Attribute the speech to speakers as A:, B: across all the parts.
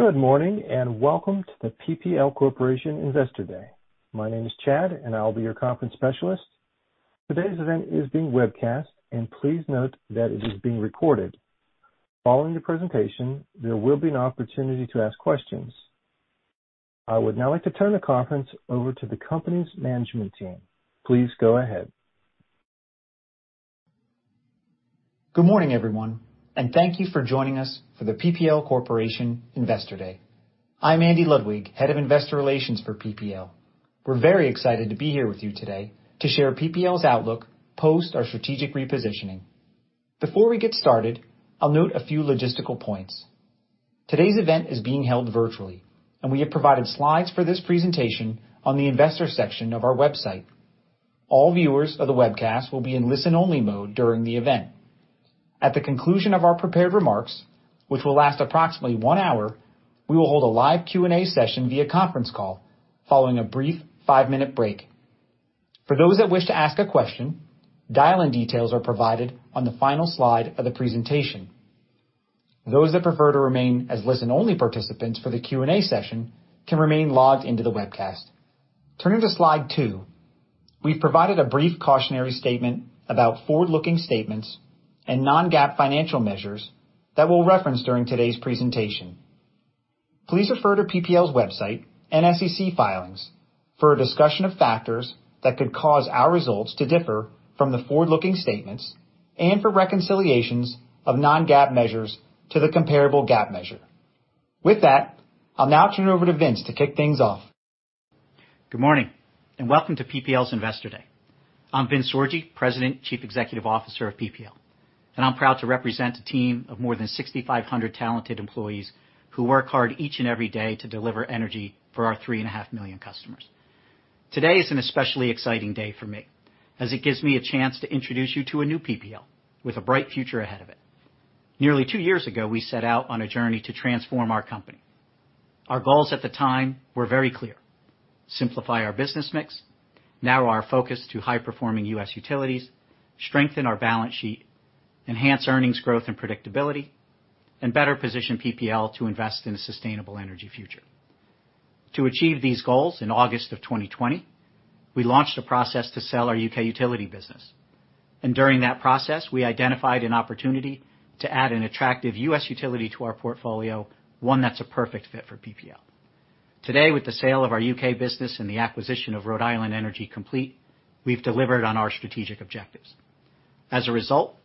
A: Good morning, and welcome to the PPL Corporation Investor Day. My name is Chad, and I'll be your conference specialist. Today's event is being webcast, and please note that it is being recorded. Following the presentation, there will be an opportunity to ask questions. I would now like to turn the conference over to the company's management team. Please go ahead.
B: Good morning, everyone, and thank you for joining us for the PPL Corporation Investor Day. I'm Andy Ludwig, Head of Investor Relations for PPL. We're very excited to be here with you today to share PPL's outlook post our strategic repositioning. Before we get started, I'll note a few logistical points. Today's event is being held virtually, and we have provided slides for this presentation on the investor section of our website. All viewers of the webcast will be in listen-only mode during the event. At the conclusion of our prepared remarks, which will last approximately one hour, we will hold a live Q&A session via conference call following a brief five-minute break. For those that wish to ask a question, dial-in details are provided on the final slide of the presentation. Those that prefer to remain as listen-only participants for the Q&A session can remain logged into the webcast. Turning to slide two, We've provided a brief cautionary statement about forward-looking statements and non-GAAP financial measures that we'll reference during today's presentation. Please refer to PPL's website, and SEC filings for a discussion of factors that could cause our results to differ from the forward-looking statements and for reconciliations of non-GAAP measures to the comparable GAAP measure. With that, I'll now turn it over to Vince to kick things off.
C: Good morning, and welcome to PPL's Investor Day. I'm Vince Sorgi, President and Chief Executive Officer of PPL, and I'm proud to represent a team of more than 6,500 talented employees who work hard each and every day to deliver energy for our 3.5 million customers. Today is an especially exciting day for me as it gives me a chance to introduce you to a new PPL with a bright future ahead of it. Nearly two years ago, we set out on a journey to transform our company. Our goals at the time were very clear, simplify our business mix, narrow our focus to high-performing U.S. utilities, strengthen our balance sheet, enhance earnings growth and predictability, and better position PPL to invest in a sustainable energy future. To achieve these goals, in August of 2020, we launched a process to sell our U.K. utility business, and during that process, we identified an opportunity to add an attractive U.S. utility to our portfolio, one that's a perfect fit for PPL. Today, with the sale of our U.K. business and the acquisition of Rhode Island Energy complete, we've delivered on our strategic objectives. As a result,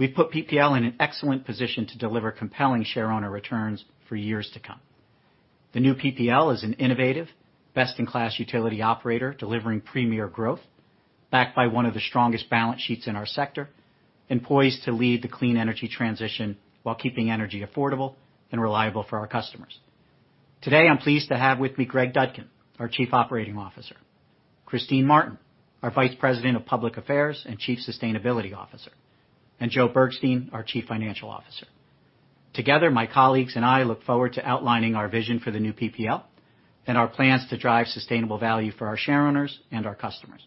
C: we've put PPL in an excellent position to deliver compelling shareowner returns for years to come. The new PPL is an innovative, best-in-class utility operator, delivering premier growth backed by one of the strongest balance sheets in our sector and poised to lead the clean energy transition while keeping energy affordable and reliable for our customers. Today, I'm pleased to have with me Greg Dudkin, our Chief Operating Officer, Christine Martin, our Vice President of Public Affairs and Chief Sustainability Officer, and Joe Bergstein, our Chief Financial Officer. Together, my colleagues and I look forward to outlining our vision for the new PPL and our plans to drive sustainable value for our shareowners and our customers.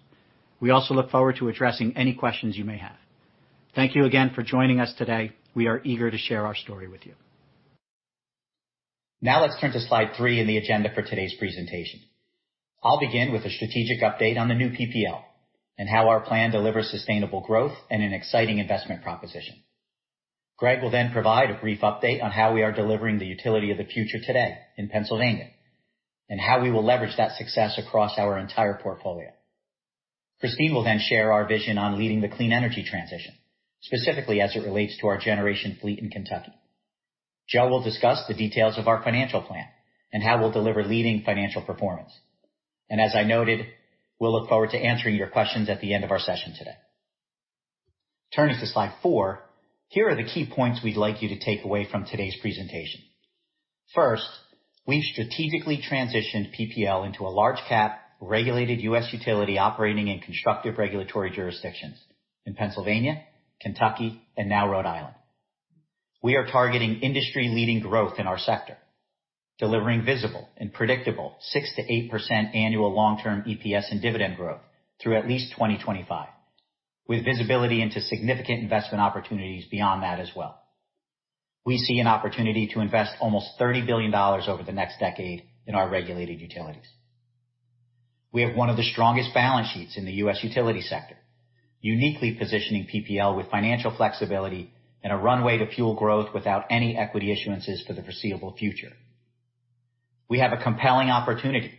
C: We also look forward to addressing any questions you may have. Thank you again for joining us today. We are eager to share our story with you. Now, let's turn to slide three in the agenda for today's presentation. I'll begin with a strategic update on the new PPL and how our plan delivers sustainable growth and an exciting investment proposition. Greg will then provide a brief update on how we are delivering the utility of the future today in Pennsylvania and how we will leverage that success across our entire portfolio. Christine will then share our vision on leading the clean energy transition, specifically as it relates to our generation fleet in Kentucky. Joe will discuss the details of our financial plan and how we'll deliver leading financial performance. As I noted, we'll look forward to answering your questions at the end of our session today. Turning to slide four. Here are the key points we'd like you to take away from today's presentation. First, we've strategically transitioned PPL into a large-cap, regulated U.S. utility operating in constructive regulatory jurisdictions in Pennsylvania, Kentucky, and now Rhode Island. We are targeting industry-leading growth in our sector, delivering visible and predictable 6%-8% annual long-term EPS and dividend growth through at least 2025, with visibility into significant investment opportunities beyond that as well. We see an opportunity to invest almost $30 billion over the next decade in our regulated utilities. We have one of the strongest balance sheets in the U.S. utility sector, uniquely positioning PPL with financial flexibility and a runway to fuel growth without any equity issuances for the foreseeable future. We have a compelling opportunity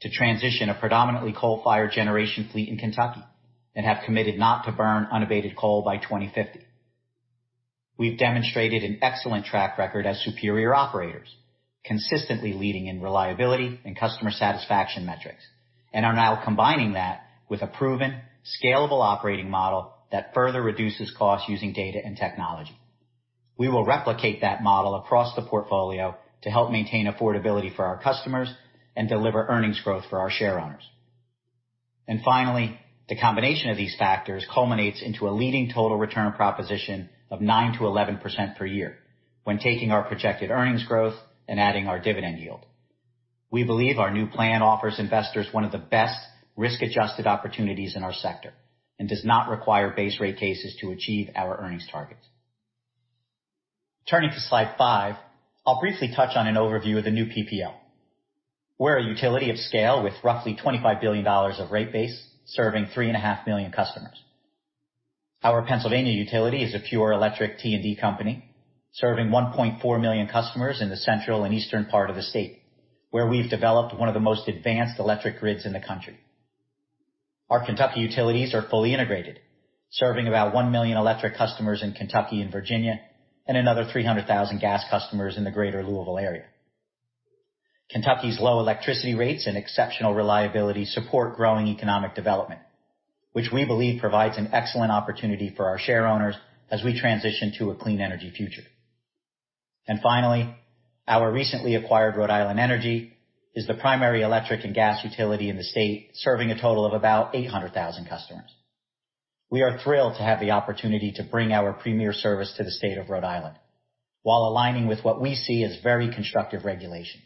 C: to transition a predominantly coal-fired generation fleet in Kentucky and have committed not to burn unabated coal by 2050. We've demonstrated an excellent track record as superior operators, consistently leading in reliability and customer satisfaction metrics, and are now combining that with a proven scalable operating model that further reduces costs using data and technology. We will replicate that model across the portfolio to help maintain affordability for our customers and deliver earnings growth for our shareowners. Finally, the combination of these factors culminates into a leading total return proposition of 9%-11% per year when taking our projected earnings growth and adding our dividend yield. We believe our new plan offers investors one of the best risk-adjusted opportunities in our sector and does not require base rate cases to achieve our earnings targets. Turning to slide five, I'll briefly touch on an overview of the new PPL. We're a utility of scale with roughly $25 billion of rate base, serving 3.5 million customers. Our Pennsylvania utility is a pure electric T&D company, serving 1.4 million customers in the central and eastern part of the state, where we've developed one of the most advanced electric grids in the country. Our Kentucky utilities are fully integrated, serving about 1 million electric customers in Kentucky and Virginia, and another 300,000 gas customers in the greater Louisville area. Kentucky's low electricity rates and exceptional reliability support growing economic development, which we believe provides an excellent opportunity for our shareowners as we transition to a clean energy future. Finally, our recently acquired Rhode Island Energy is the primary electric and gas utility in the state, serving a total of about 800,000 customers. We are thrilled to have the opportunity to bring our premier service to the state of Rhode Island while aligning with what we see as very constructive regulation.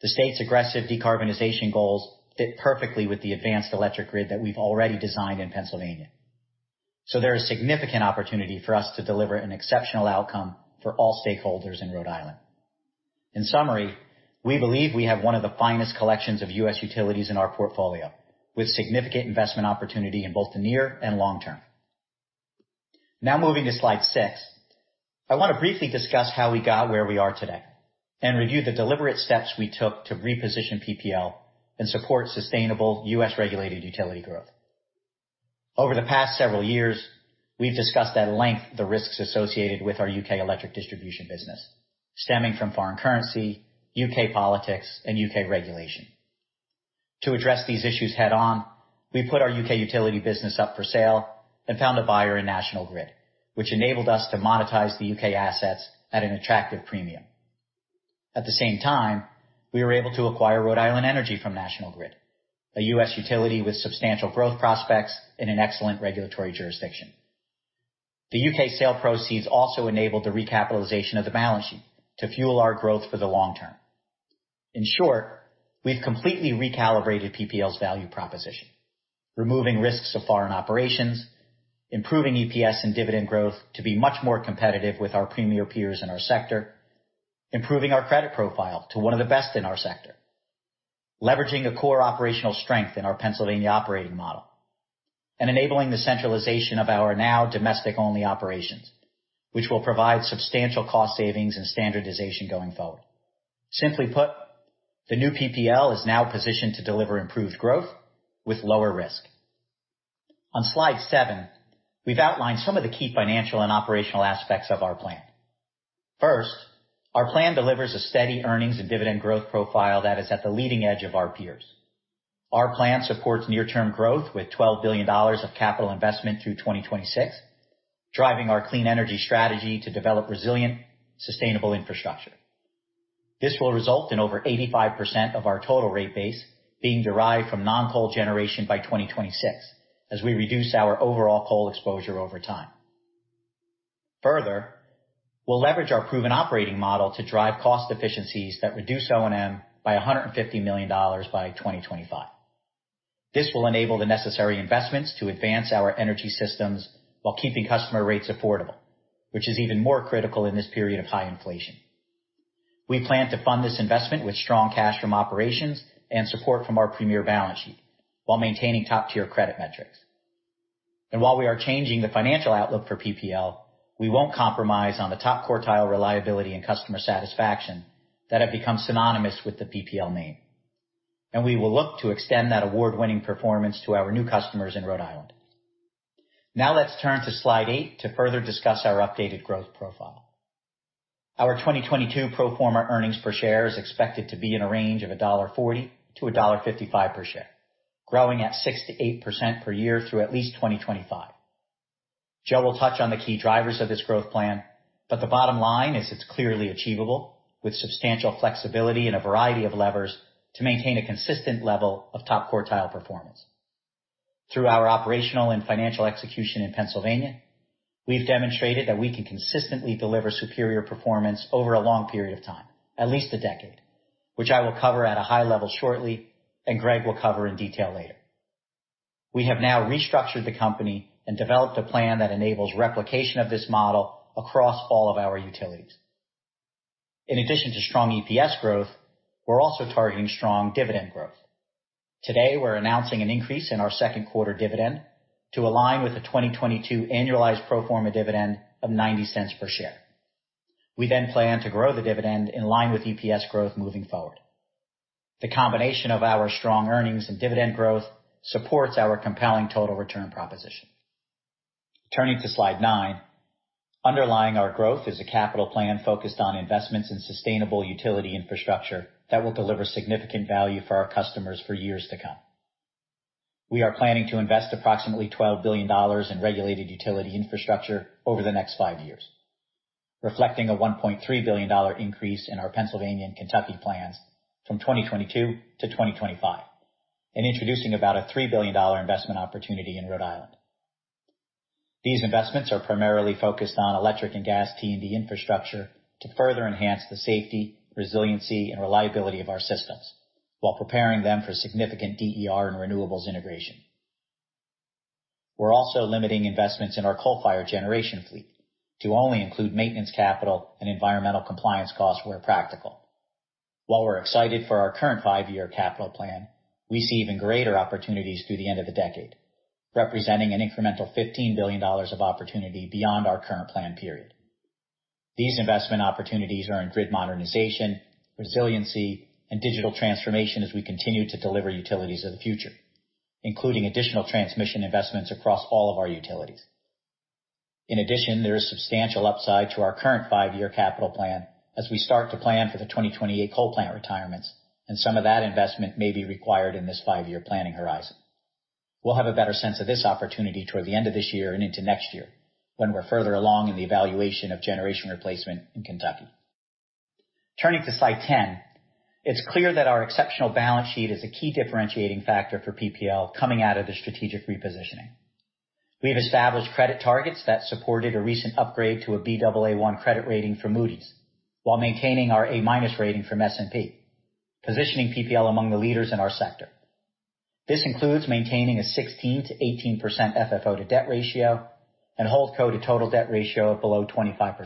C: The state's aggressive decarbonization goals fit perfectly with the advanced electric grid that we've already designed in Pennsylvania. There is significant opportunity for us to deliver an exceptional outcome for all stakeholders in Rhode Island. In summary, we believe we have one of the finest collections of U.S. utilities in our portfolio, with significant investment opportunity in both the near and long term. Now moving to slide six, I want to briefly discuss how we got where we are today, and review the deliberate steps we took to reposition PPL and support sustainable U.S. regulated utility growth. Over the past several years, we've discussed at length the risks associated with our U.K. electric distribution business, stemming from foreign currency, U.K. politics, and U.K. regulation. To address thse issues head on, we put our U.K. utility business up for sale and found a buyer in National Grid, which enabled us to monetize the U.K. assets at an attractive premium. At the same time, we were able to acquire Rhode Island Energy from National Grid, a U.S. utility with substantial growth prospects in an excellent regulatory jurisdiction. The U.K. sale proceeds also enabled the recapitalization of the balance sheet to fuel our growth for the long term. In short, we've completely recalibrated PPL's value proposition, removing risks of foreign operations, improving EPS and dividend growth to be much more competitive with our premier peers in our sector, improving our credit profile to one of the best in our sector, leveraging a core operational strength in our Pennsylvania operating model, and enabling the centralization of our now domestic-only operations, which will provide substantial cost savings and standardization going forward. Simply put, the new PPL is now positioned to deliver improved growth with lower risk. On slide seven, we've outlined some of the key financial and operational aspects of our plan. First, our plan delivers a steady earnings and dividend growth profile that is at the leading edge of our peers. Our plan supports near-term growth with $12 billion of capital investment through 2026, driving our clean energy strategy to develop resilient, sustainable infrastructure. This will result in over 85% of our total rate base being derived from non-coal generation by 2026, as we reduce our overall coal exposure over time. Further, we'll leverage our proven operating model to drive cost efficiencies that reduce O&M by $150 million by 2025. This will enable the necessary investments to advance our energy systems while keeping customer rates affordable, which is even more critical in this period of high inflation. We plan to fund this investment with strong cash from operations and support from our premier balance sheet while maintaining top-tier credit metrics. While we are changing the financial outlook for PPL, we won't compromise on the top quartile reliability, and customer satisfaction that have become synonymous with the PPL name. We will look to extend that award-winning performance to our new customers in Rhode Island. Now let's turn to slide eight to further discuss our updated growth profile. Our 2022 pro forma earnings per share is expected to be in a range of $1.40-$1.55 per share, growing at 6%-8% per year through at least 2025. Joe will touch on the key drivers of this growth plan, but the bottom line is it's clearly achievable, with substantial flexibility in a variety of levers to maintain a consistent level of top quartile performance. Through our operational and financial execution in Pennsylvania, we've demonstrated that we can consistently deliver superior performance over a long period of time, at least a decade, which I will cover at a high level shortly and Greg will cover in detail later. We have now restructured the company and developed a plan that enables replication of this model across all of our utilities. In addition to strong EPS growth, we're also targeting strong dividend growth. Today, we're announcing an increase in our second quarter dividend to align with the 2022 annualized pro forma dividend of $0.90 per share. We then plan to grow the dividend in line with EPS growth moving forward. The combination of our strong earnings and dividend growth supports our compelling total return proposition. Turning to slide nine, underlying our growth is a capital plan focused on investments in sustainable utility infrastructure that will deliver significant value for our customers for years to come. We are planning to invest approximately $12 billion in regulated utility infrastructure over the next five years, reflecting a $1.3 billion increase in our Pennsylvania and Kentucky plans from 2022 to 2025, and introducing about a $3 billion investment opportunity in Rhode Island. These investments are primarily focused on electric, and gas T&D infrastructure to further enhance the SAIFI, resiliency, and reliability of our systems while preparing them for significant DER and renewables integration. We're also limiting investments in our coal-fired generation fleet to only include maintenance, capital, and environmental compliance costs where practical. While we're excited for our current five-year capital plan, we see even greater opportunities through the end of the decade, representing an incremental $15 billion of opportunity beyond our current plan period. These investment opportunities are in grid modernization, resiliency, and digital transformation as we continue to deliver utilities of the future, including additional transmission investments across all of our utilities. In addition, there is substantial upside to our current five-year capital plan as we start to plan for the 2028 coal plant retirements, and some of that investment may be required in this five-year planning horizon. We'll have a better sense of this opportunity toward the end of this year and into next year when we're further along in the evaluation of generation replacement in Kentucky. Turning to slide 10. It's clear that our exceptional balance sheet is a key differentiating factor for PPL coming out of the strategic repositioning. We have established credit targets that supported a recent upgrade to a Baa1 credit rating from Moody's while maintaining our A- rating from S&P, positioning PPL among the leaders in our sector. This includes maintaining a 16%-18% FFO to debt ratio and holdco to total debt ratio of below 25%.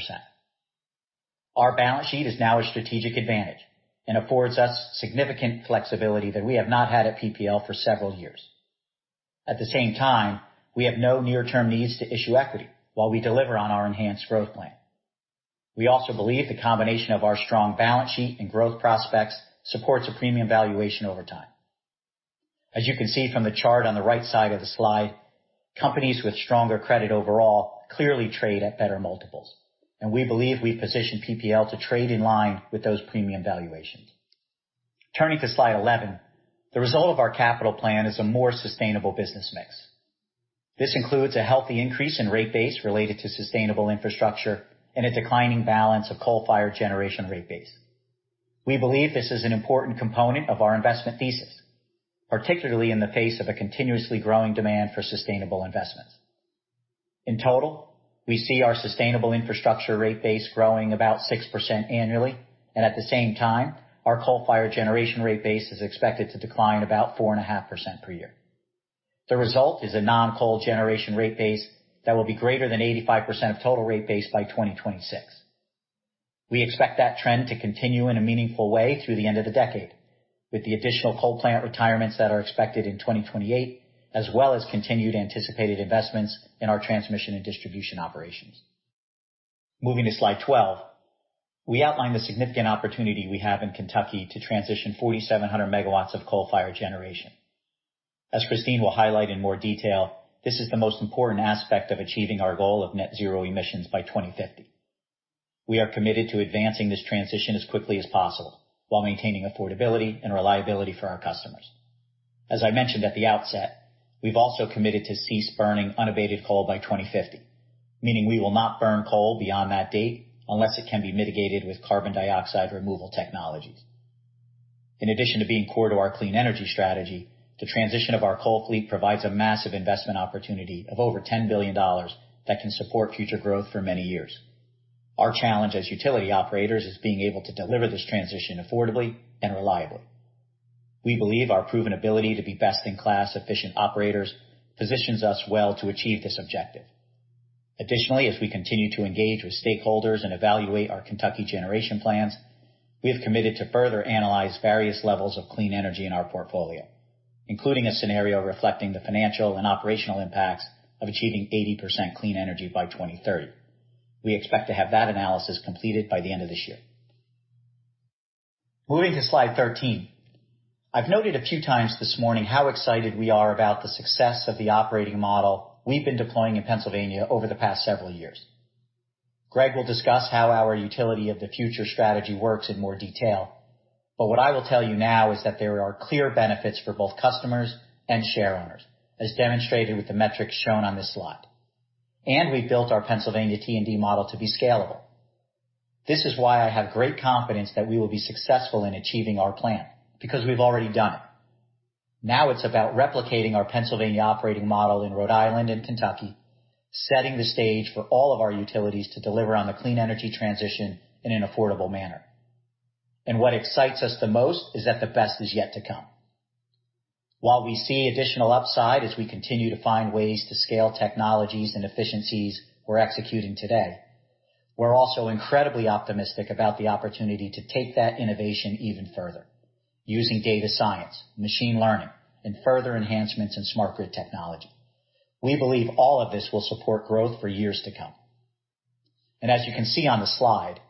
C: Our balance sheet is now a strategic advantage and affords us significant flexibility that we have not had at PPL for several years. At the same time, we have no near-term needs to issue equity while we deliver on our enhanced growth plan. We also believe the combination of our strong balance sheet and growth prospects supports a premium valuation over time. As you can see from the chart on the right side of the slide, companies with stronger credit overall clearly trade at better multiples. We believe we position PPL to trade in line with those premium valuations. Turning to slide 11. The result of our capital plan is a more sustainable business mix. This includes a healthy increase in rate base related to sustainable infrastructure and a declining balance of coal-fired generation rate base. We believe this is an important component of our investment thesis, particularly in the face of a continuously growing demand for sustainable investments. In total, we see our sustainable infrastructure rate base growing about 6% annually, and at the same time, our coal-fired generation rate base is expected to decline about 4.5% per year. The result is a non-coal generation rate base that will be greater than 85% of total rate base by 2026. We expect that trend to continue in a meaningful way through the end of the decade with the additional coal plant retirements that are expected in 2028, as well as continued anticipated investments in our transmission and distribution operations. Moving to slide 12. We outlined the significant opportunity we have in Kentucky to transition 4,700 megawatts of coal-fired generation. As Christine will highlight in more detail, this is the most important aspect of achieving our goal of net zero emissions by 2050. We are committed to advancing this transition as quickly as possible while maintaining affordability and reliability for our customers. As I mentioned at the outset, we've also committed to cease burning unabated coal by 2050, meaning we will not burn coal beyond that date unless it can be mitigated with carbon dioxide removal technologies. In addition to being core to our clean energy strategy, the transition of our coal fleet provides a massive investment opportunity of over $10 billion that can support future growth for many years. Our challenge as utility operators is being able to deliver this transition affordably and reliably. We believe our proven ability to be best in class efficient operators positions us well to achieve this objective. Additionally, as we continue to engage with stakeholders, and evaluate our Kentucky generation plans, we have committed to further analyze various levels of clean energy in our portfolio, including a scenario reflecting the financial and operational impacts of achieving 80% clean energy by 2030. We expect to have that analysis completed by the end of this year. Moving to slide 13. I've noted a few times this morning how excited we are about the success of the operating model we've been deploying in Pennsylvania over the past several years. Greg will discuss how our utility of the future strategy works in more detail. What I will tell you now is that there are clear benefits for both customers and share owners, as demonstrated with the metrics shown on this slide. We built our Pennsylvania T&D model to be scalable. This is why I have great confidence that we will be successful in achieving our plan, because we've already done it. Now it's about replicating our Pennsylvania operating model in Rhode Island and Kentucky, setting the stage for all of our utilities to deliver on the clean energy transition in an affordable manner. What excites us the most is that the best is yet to come. While we see additional upside as we continue to find ways to scale technologies and efficiencies we're executing today, we're also incredibly optimistic about the opportunity to take that innovation even further using data science, machine learning, and further enhancements in smart grid technology. We believe all of this will support growth for years to come. As you can see on the slide,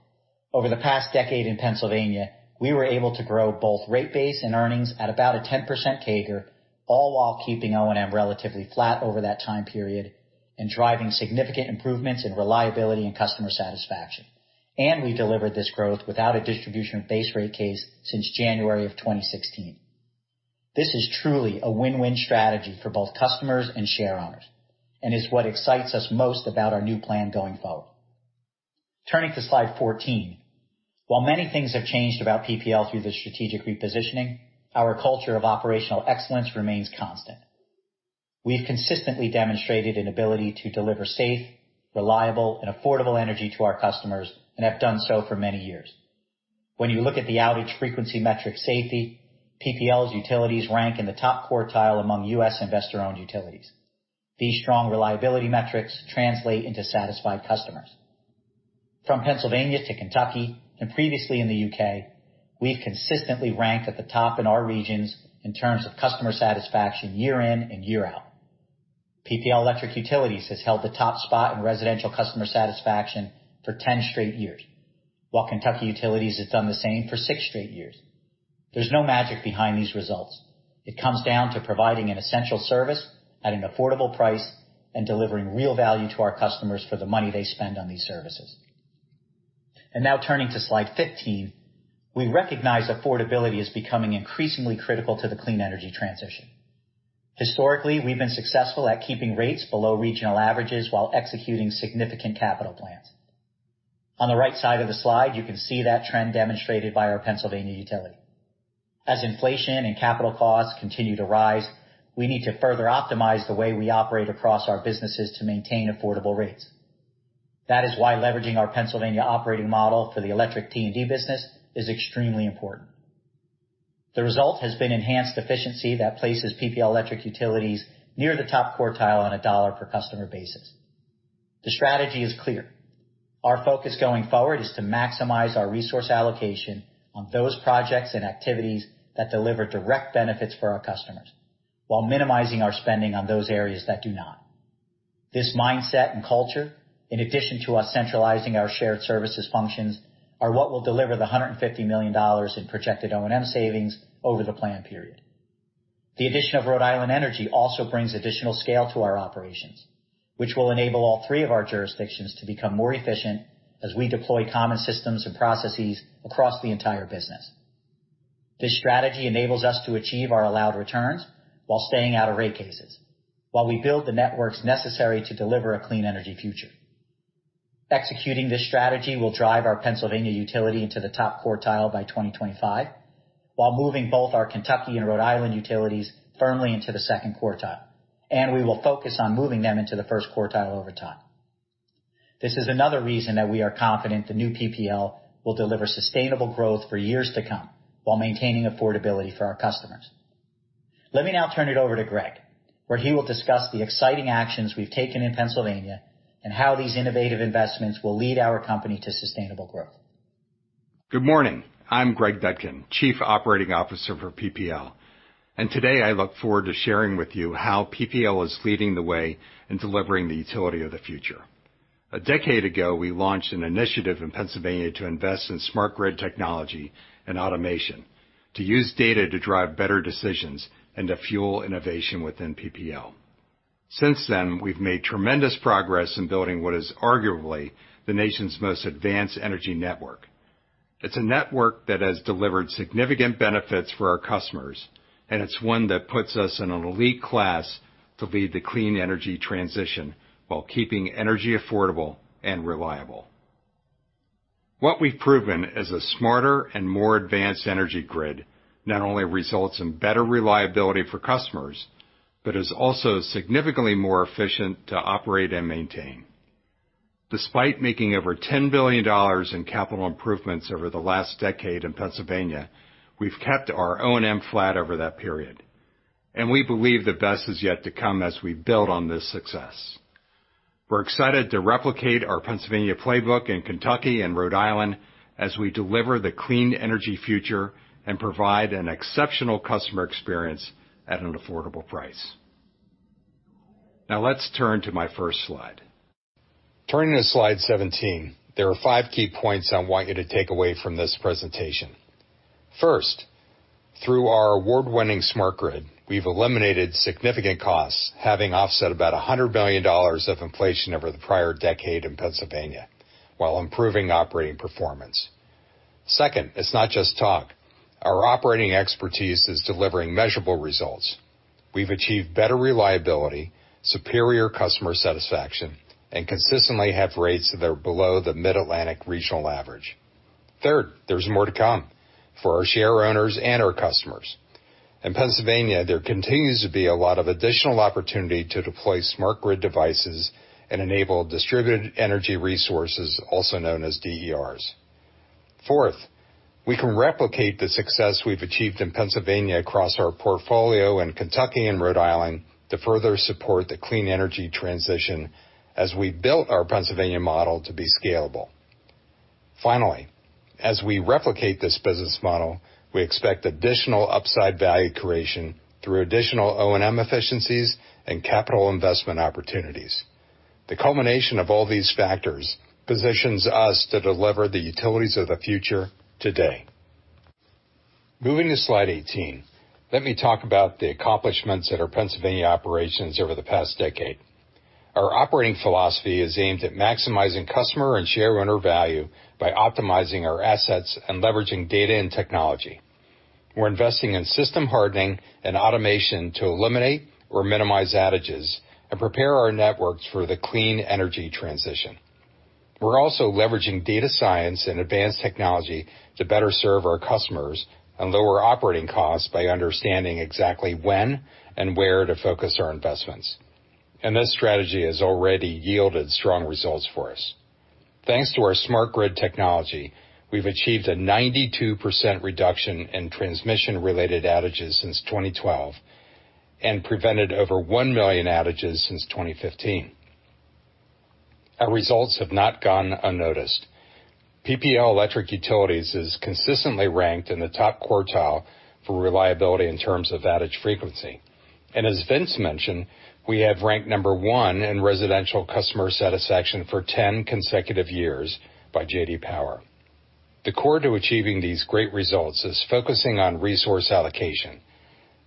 C: over the past decade in Pennsylvania, we were able to grow both rate base and earnings at about a 10% CAGR, all while keeping O&M relatively flat over that time period and driving significant improvements in reliability and customer satisfaction. We delivered this growth without a distribution base rate case since January of 2016. This is truly a win-win strategy for both customers and share owners and is what excites us most about our new plan going forward. Turning to slide 14. While many things have changed about PPL through the strategic repositioning, our culture of operational excellence remains constant. We have consistently demonstrated an ability to deliver safe, reliable, and affordable energy to our customers and have done so for many years. When you look at the outage frequency metric safety, PPL's utilities rank in the top quartile among U.S. investor-owned utilities. These strong reliability metrics translate into satisfied customers. From Pennsylvania to Kentucky and previously in the U.K., we've consistently ranked at the top in our regions in terms of customer satisfaction year in and year out. PPL Electric Utilities has held the top spot in residential customer satisfaction for 10 straight years, while Kentucky Utilities has done the same for six straight years. There's no magic behind these results. It comes down to providing an essential service at an affordable price and delivering real value to our customers for the money they spend on these services. Now turning to slide 15, we recognize affordability is becoming increasingly critical to the clean energy transition. Historically, we've been successful at keeping rates below regional averages while executing significant capital plans. On the right side of the slide, you can see that trend demonstrated by our Pennsylvania utility. As inflation and capital costs continue to rise, we need to further optimize the way we operate across our businesses to maintain affordable rates. That is why leveraging our Pennsylvania operating model for the electric T&D business is extremely important. The result has been enhanced efficiency that places PPL Electric Utilities near the top quartile on a dollar per customer basis. The strategy is clear. Our focus going forward is to maximize our resource allocation on those projects and activities that deliver direct benefits for our customers while minimizing our spending on those areas that do not. This mindset and culture, in addition to us centralizing our shared services functions, are what will deliver the $150 million in projected O&M savings over the plan period. The addition of Rhode Island Energy also brings additional scale to our operations, which will enable all three of our jurisdictions to become more efficient as we deploy common systems and processes across the entire business. This strategy enables us to achieve our allowed returns while staying out of rate cases, while we build the networks necessary to deliver a clean energy future. Executing this strategy will drive our Pennsylvania utility into the top quartile by 2025, while moving both our Kentucky and Rhode Island utilities firmly into the second quartile, and we will focus on moving them into the first quartile over time. This is another reason that we are confident the new PPL will deliver sustainable growth for years to come while maintaining affordability for our customers. Let me now turn it over to Greg, where he will discuss the exciting actions we've taken in Pennsylvania and how these innovative investments will lead our company to sustainable growth.
D: Good morning. I'm Greg Dudkin, Chief Operating Officer for PPL, and today I look forward to sharing with you how PPL is leading the way in delivering the utility of the future. A decade ago, we launched an initiative in Pennsylvania to invest in smart grid technology and automation to use data to drive better decisions and to fuel innovation within PPL. Since then, we've made tremendous progress in building what is arguably the nation's most advanced energy network. It's a network that has delivered significant benefits for our customers, and it's one that puts us in an elite class to lead the clean energy transition while keeping energy affordable and reliable. What we've proven is a smarter and more advanced energy grid not only results in better reliability for customers, but is also significantly more efficient to operate and maintain. Despite making over $10 billion in capital improvements over the last decade in Pennsylvania, we've kept our O&M flat over that period, and we believe the best is yet to come as we build on this success. We're excited to replicate our Pennsylvania playbook in Kentucky and Rhode Island as we deliver the clean energy future and provide an exceptional customer experience at an affordable price. Now let's turn to my first slide. Turning to slide 17, there are five key points I want you to take away from this presentation. First, through our award-winning smart grid, we've eliminated significant costs, having offset about $100 billion of inflation over the prior decade in Pennsylvania while improving operating performance. Second, it's not just talk. Our operating expertise is delivering measurable results. We've achieved better reliability, superior customer satisfaction, and consistently have rates that are below the mid-Atlantic regional average. Third, there's more to come for our shareowners and our customers. In Pennsylvania, there continues to be a lot of additional opportunity to deploy smart grid devices and enable distributed energy resources, also known as DERs. Fourth, we can replicate the success we've achieved in Pennsylvania across our portfolio in Kentucky and Rhode Island to further support the clean energy transition as we built our Pennsylvania model to be scalable. Finally, as we replicate this business model, we expect additional upside value creation through additional O&M efficiencies and capital investment opportunities. The culmination of all these factors positions us to deliver the utilities of the future today. Moving to slide 18. Let me talk about the accomplishments at our Pennsylvania operations over the past decade. Our operating philosophy is aimed at maximizing customer and shareowner value by optimizing our assets and leveraging data and technology. We're investing in system hardening and automation to eliminate or minimize outages and prepare our networks for the clean energy transition. We're also leveraging data science, and advanced technology to better serve our customers and lower operating costs by understanding exactly when and where to focus our investments. This strategy has already yielded strong results for us. Thanks to our smart grid technology, we've achieved a 92% reduction in transmission-related outages since 2012 and prevented over 1 million outages since 2015. Our results have not gone unnoticed. PPL Electric Utilities is consistently ranked in the top quartile for reliability in terms of outage frequency. As Vince mentioned, we have ranked number one in residential customer satisfaction for 10 consecutive years by J.D. Power. The core to achieving these great results is focusing on resource allocation,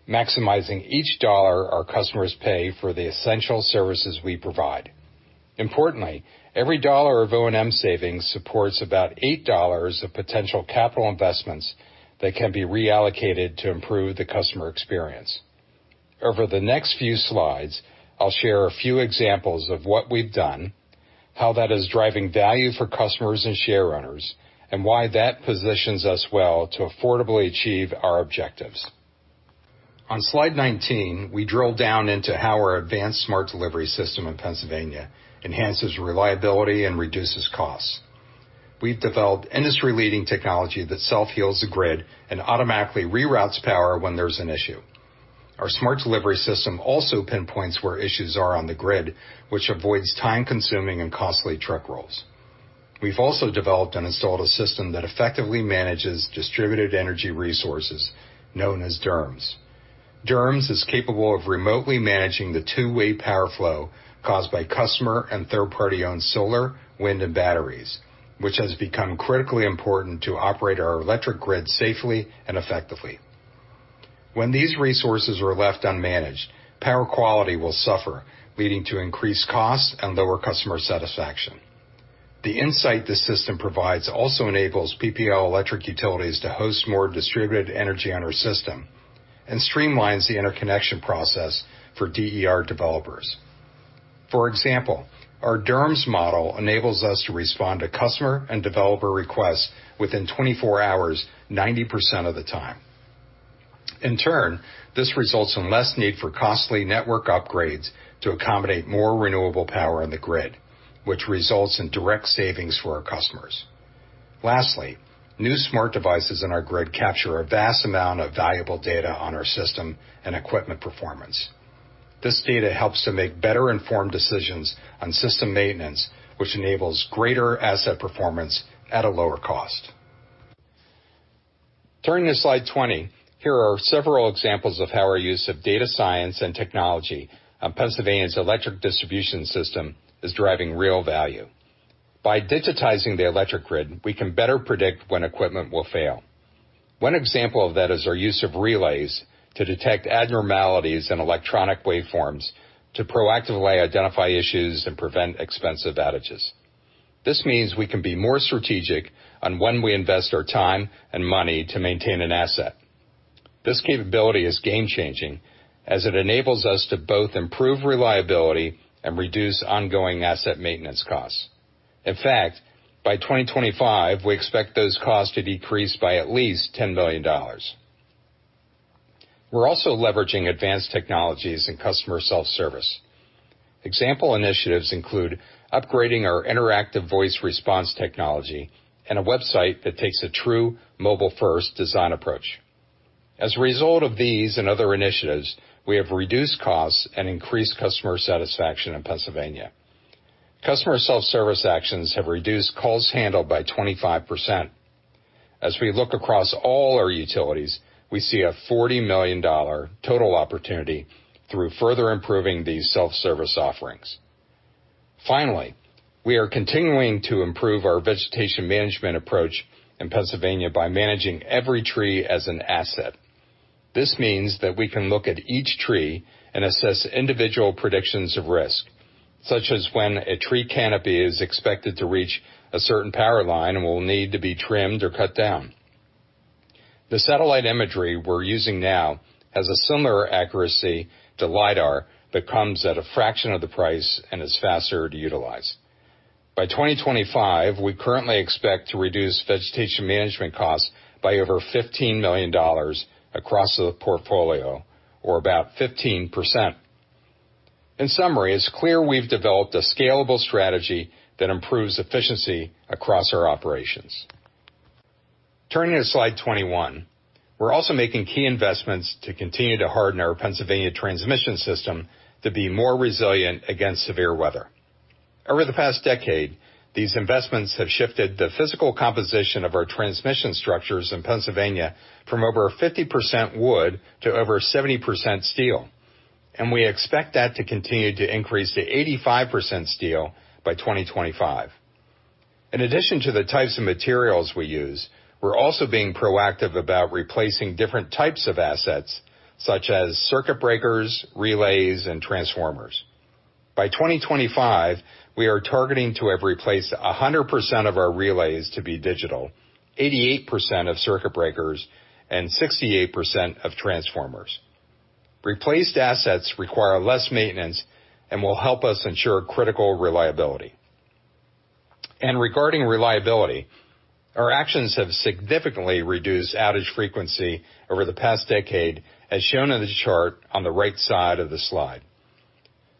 D: maximizing each dollar our customers pay for the essential services we provide. Importantly, every dollar of O&M savings supports about $8 of potential capital investments that can be reallocated to improve the customer experience. Over the next few slides, I'll share a few examples of what we've done, how that is driving value for customers and shareowners, and why that positions us well to affordably achieve our objectives. On slide 19, we drill down into how our advanced smart delivery system in Pennsylvania enhances reliability and reduces costs. We've developed industry-leading technology that self-heals the grid and automatically reroutes power when there's an issue. Our smart delivery system also pinpoints where issues are on the grid, which avoids time-consuming and costly truck rolls. We've also developed and installed a system that effectively manages distributed energy resources known as DERMS. DERMS is capable of remotely managing the two-way power flow caused by customer and third-party-owned solar, wind, and batteries, which has become critically important to operate our electric grid safely and effectively. When these resources are left unmanaged, power quality will suffer, leading to increased costs and lower customer satisfaction. The insight this system provides also enables PPL Electric Utilities to host more distributed energy on our system and streamlines the interconnection process for DER developers. For example, our DERMS model enables us to respond to customer and developer requests within 24 hours, 90% of the time. In turn, this results in less need for costly network upgrades to accommodate more renewable power on the grid, which results in direct savings for our customers. Lastly, new smart devices in our grid capture a vast amount of valuable data on our system and equipment performance. This data helps to make better-informed decisions on system maintenance, which enables greater asset performance at a lower cost. Turning to slide 20, here are several examples of how our use of data science and technology on Pennsylvania's electric distribution system is driving real value. By digitizing the electric grid, we can better predict when equipment will fail. One example of that is our use of relays to detect abnormalities in electronic waveforms to proactively identify issues and prevent expensive outages. This means we can be more strategic on when we invest our time and money to maintain an asset. This capability is game-changing as it enables us to both improve reliability, and reduce ongoing asset maintenance costs. In fact, by 2025, we expect those costs to decrease by at least $10 million. We're also leveraging advanced technologies in customer self-service. Example initiatives include upgrading our interactive voice response technology and a website that takes a true mobile-first design approach. As a result of these and other initiatives, we have reduced costs and increased customer satisfaction in Pennsylvania. Customer self-service actions have reduced calls handled by 25%. As we look across all our utilities, we see a $40 million total opportunity through further improving these self-service offerings. Finally, we are continuing to improve our vegetation management approach in Pennsylvania by managing every tree as an asset. This means that we can look at each tree and assess individual predictions of risk, such as when a tree canopy is expected to reach a certain power line and will need to be trimmed or cut down. The satellite imagery we're using now has a similar accuracy to LIDAR but comes at a fraction of the price and is faster to utilize. By 2025, we currently expect to reduce vegetation management costs by over $15 million across the portfolio, or about 15%. In summary, it's clear we've developed a scalable strategy that improves efficiency across our operations. Turning to slide 21, we're also making key investments to continue to harden our Pennsylvania transmission system to be more resilient against severe weather. Over the past decade, these investments have shifted the physical composition of our transmission structures in Pennsylvania from over 50% wood to over 70% steel, and we expect that to continue to increase to 85% steel by 2025. In addition to the types of materials we use, we're also being proactive about replacing different types of assets, such as circuit breakers, relays, and transformers. By 2025, we are targeting to have replaced 100% of our relays to be digital, 88% of circuit breakers, and 68% of transformers. Replaced assets require less maintenance and will help us ensure critical reliability. Regarding reliability, our actions have significantly reduced outage frequency over the past decade, as shown in the chart on the right side of the slide.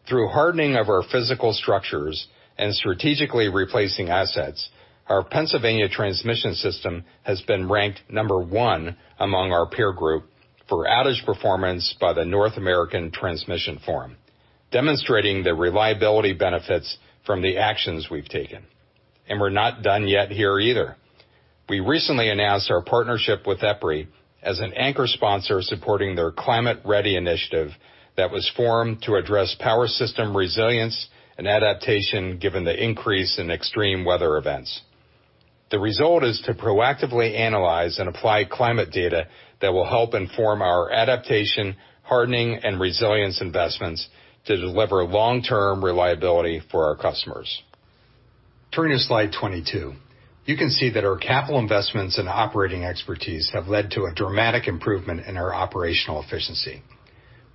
D: Through hardening of our physical structures and strategically replacing assets, our Pennsylvania transmission system has been ranked number one among our peer group for outage performance by the North American Transmission Forum, demonstrating the reliability benefits from the actions we've taken. We're not done yet here either. We recently announced our partnership with EPRI as an anchor sponsor supporting their Climate READi initiative that was formed to address power system resilience and adaptation given the increase in extreme weather events. The result is to proactively analyze and apply climate data that will help inform our adaptation, hardening, and resilience investments to deliver long-term reliability for our customers. Turning to slide 22, you can see that our capital investments and operating expertise have led to a dramatic improvement in our operational efficiency.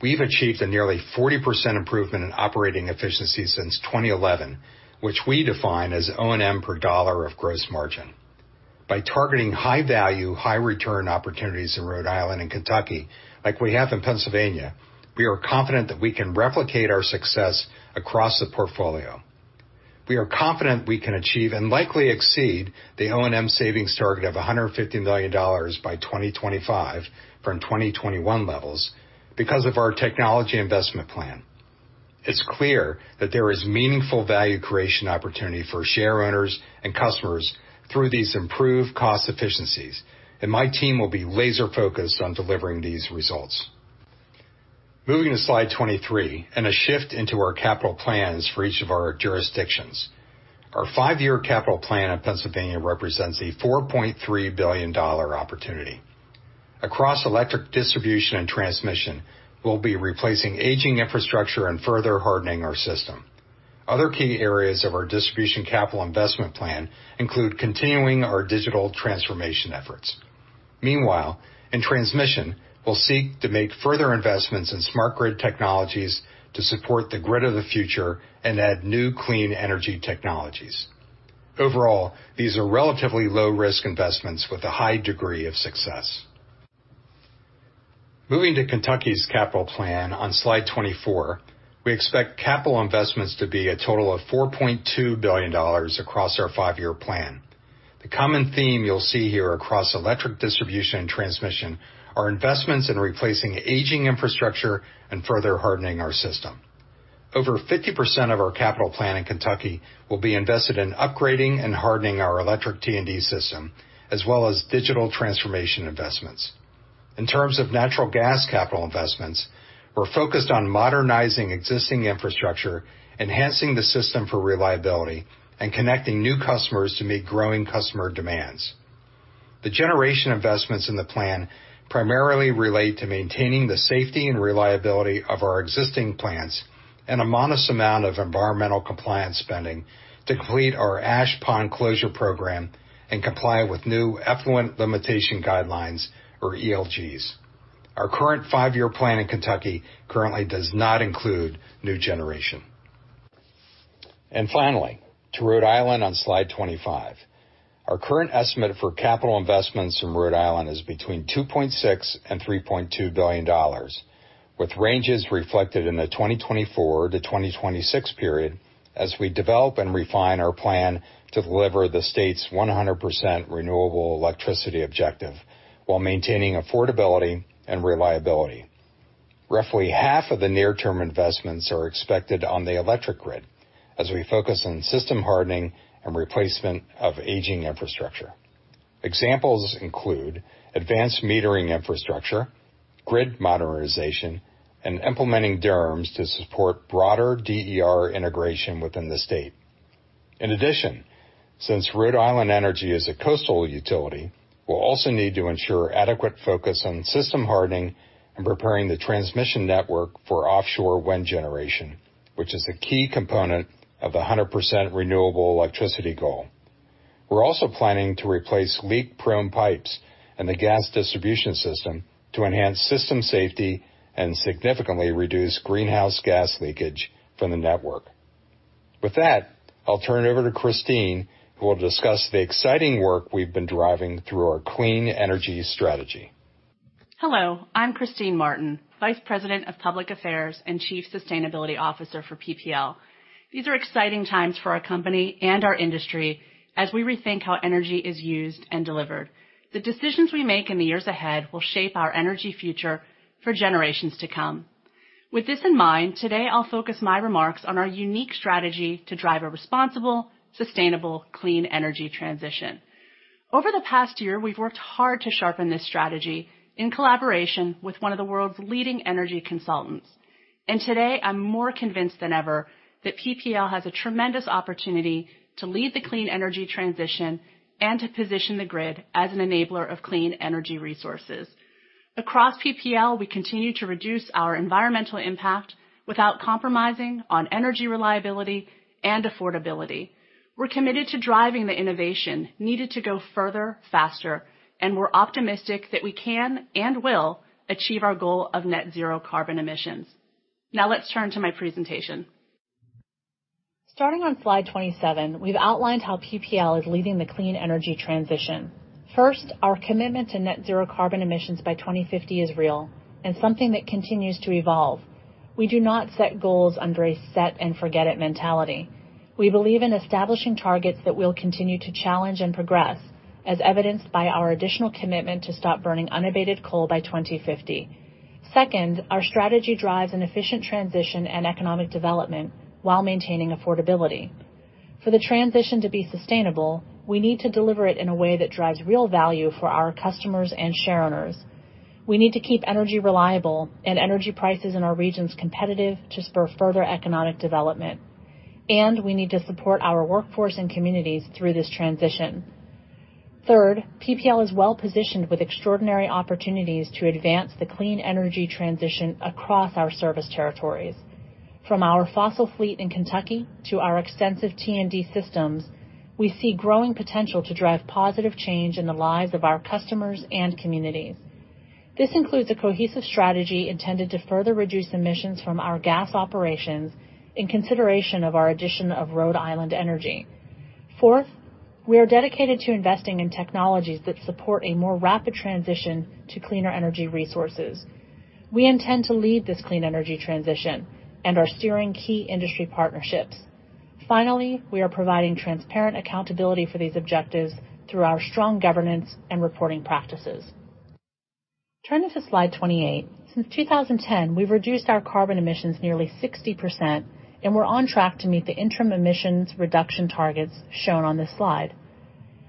D: We've achieved a nearly 40% improvement in operating efficiency since 2011, which we define as O&M per dollar of gross margin. By targeting high-value, high-return opportunities in Rhode Island and Kentucky like we have in Pennsylvania, we are confident that we can replicate our success across the portfolio. We are confident we can achieve and likely exceed the O&M savings target of $150 million by 2025 from 2021 levels because of our technology investment plan. It's clear that there is meaningful value creation opportunity for shareowners and customers through these improved cost efficiencies, and my team will be laser-focused on delivering these results. Moving to slide 23 and shifting into our capital plans for each of our jurisdictions. Our five-year capital plan in Pennsylvania represents a $4.3 billion dollar opportunity. Across electric distribution and transmission, we'll be replacing aging infrastructure, and further hardening our system. Other key areas of our distribution capital investment plan include continuing our digital transformation efforts. Meanwhile, in transmission, we'll seek to make further investments in smart grid technologies to support the grid of the future and add new clean energy technologies. Overall, these are relatively low-risk investments with a high degree of success. Moving to Kentucky's capital plan on slide 24, we expect capital investments to be a total of $4.2 billion across our five-year plan. The common theme you'll see here across electric distribution and transmission are investments in replacing aging infrastructure and further hardening our system. Over 50% of our capital plan in Kentucky will be invested in upgrading, and hardening our electric T&D system, as well as digital transformation investments. In terms of natural gas capital investments, we're focused on modernizing existing infrastructure, enhancing the system for reliability, and connecting new customers to meet growing customer demands. The generation investments in the plan primarily relate to maintaining the safety and reliability of our existing plants and a modest amount of environmental compliance spending to complete our ash pond closure program and comply with new effluent limitation guidelines or ELGs. Our current five-year plan in Kentucky currently does not include new generation. Finally, to Rhode Island on slide 25. Our current estimate for capital investments in Rhode Island is between $2.6 billion and $3.2 billion, with ranges reflected in the 2024-2026 period as we develop and refine our plan to deliver the state's 100% renewable electricity objective while maintaining affordability and reliability. Roughly half of the near-term investments are expected on the electric grid as we focus on system hardening and replacement of aging infrastructure. Examples include advanced metering infrastructure, grid modernization, and implementing DERMS to support broader DER integration within the state. In addition, since Rhode Island Energy is a coastal utility, we'll also need to ensure adequate focus on system hardening and preparing the transmission network for offshore wind generation, which is a key component of the 100% renewable electricity goal. We're also planning to replace leak-prone pipes in the gas distribution system to enhance system safety and significantly reduce greenhouse gas leakage from the network. With that, I'll turn it over to Christine, who will discuss the exciting work we've been driving through our clean energy strategy.
E: Hello, I'm Christine Martin, Vice President of Public Affairs and Chief Sustainability Officer for PPL. These are exciting times for our company and our industry as we rethink how energy is used and delivered. The decisions we make in the years ahead will shape our energy future for generations to come. With this in mind, today I'll focus my remarks on our unique strategy to drive a responsible, sustainable, clean energy transition. Over the past year, we've worked hard to sharpen this strategy in collaboration with one of the world's leading energy consultants. Today, I'm more convinced than ever that PPL has a tremendous opportunity to lead the clean energy transition and to position the grid as an enabler of clean energy resources. Across PPL, we continue to reduce our environmental impact without compromising on energy reliability and affordability. We're committed to driving the innovation needed to go further, faster, and we're optimistic that we can and will achieve our goal of net zero carbon emissions. Now let's turn to my presentation. Starting on slide 27, we've outlined how PPL is leading the clean energy transition. First, our commitment to net zero carbon emissions by 2050 is real and something that continues to evolve. We do not set goals under a set and forget it mentality. We believe in establishing targets that will continue to challenge and progress, as evidenced by our additional commitment to stop burning unabated coal by 2050. Second, our strategy drives an efficient transition and economic development while maintaining affordability. For the transition to be sustainable, we need to deliver it in a way that drives real value for our customers and shareowners. We need to keep energy reliable and energy prices in our regions competitive to spur further economic development, and we need to support our workforce, and communities through this transition. Third, PPL is well-positioned with extraordinary opportunities to advance the clean energy transition across our service territories. From our fossil fleet in Kentucky to our extensive T&D systems, we see growing potential to drive positive change in the lives of our customers and communities. This includes a cohesive strategy intended to further reduce emissions from our gas operations in consideration of our addition of Rhode Island Energy. Fourth, we are dedicated to investing in technologies that support a more rapid transition to cleaner energy resources. We intend to lead this clean energy transition and are steering key industry partnerships. Finally, we are providing transparent accountability for these objectives through our strong governance and reporting practices. Turning to slide 28. Since 2010, we've reduced our carbon emissions nearly 60%, and we're on track to meet the interim emissions reduction targets shown on this slide.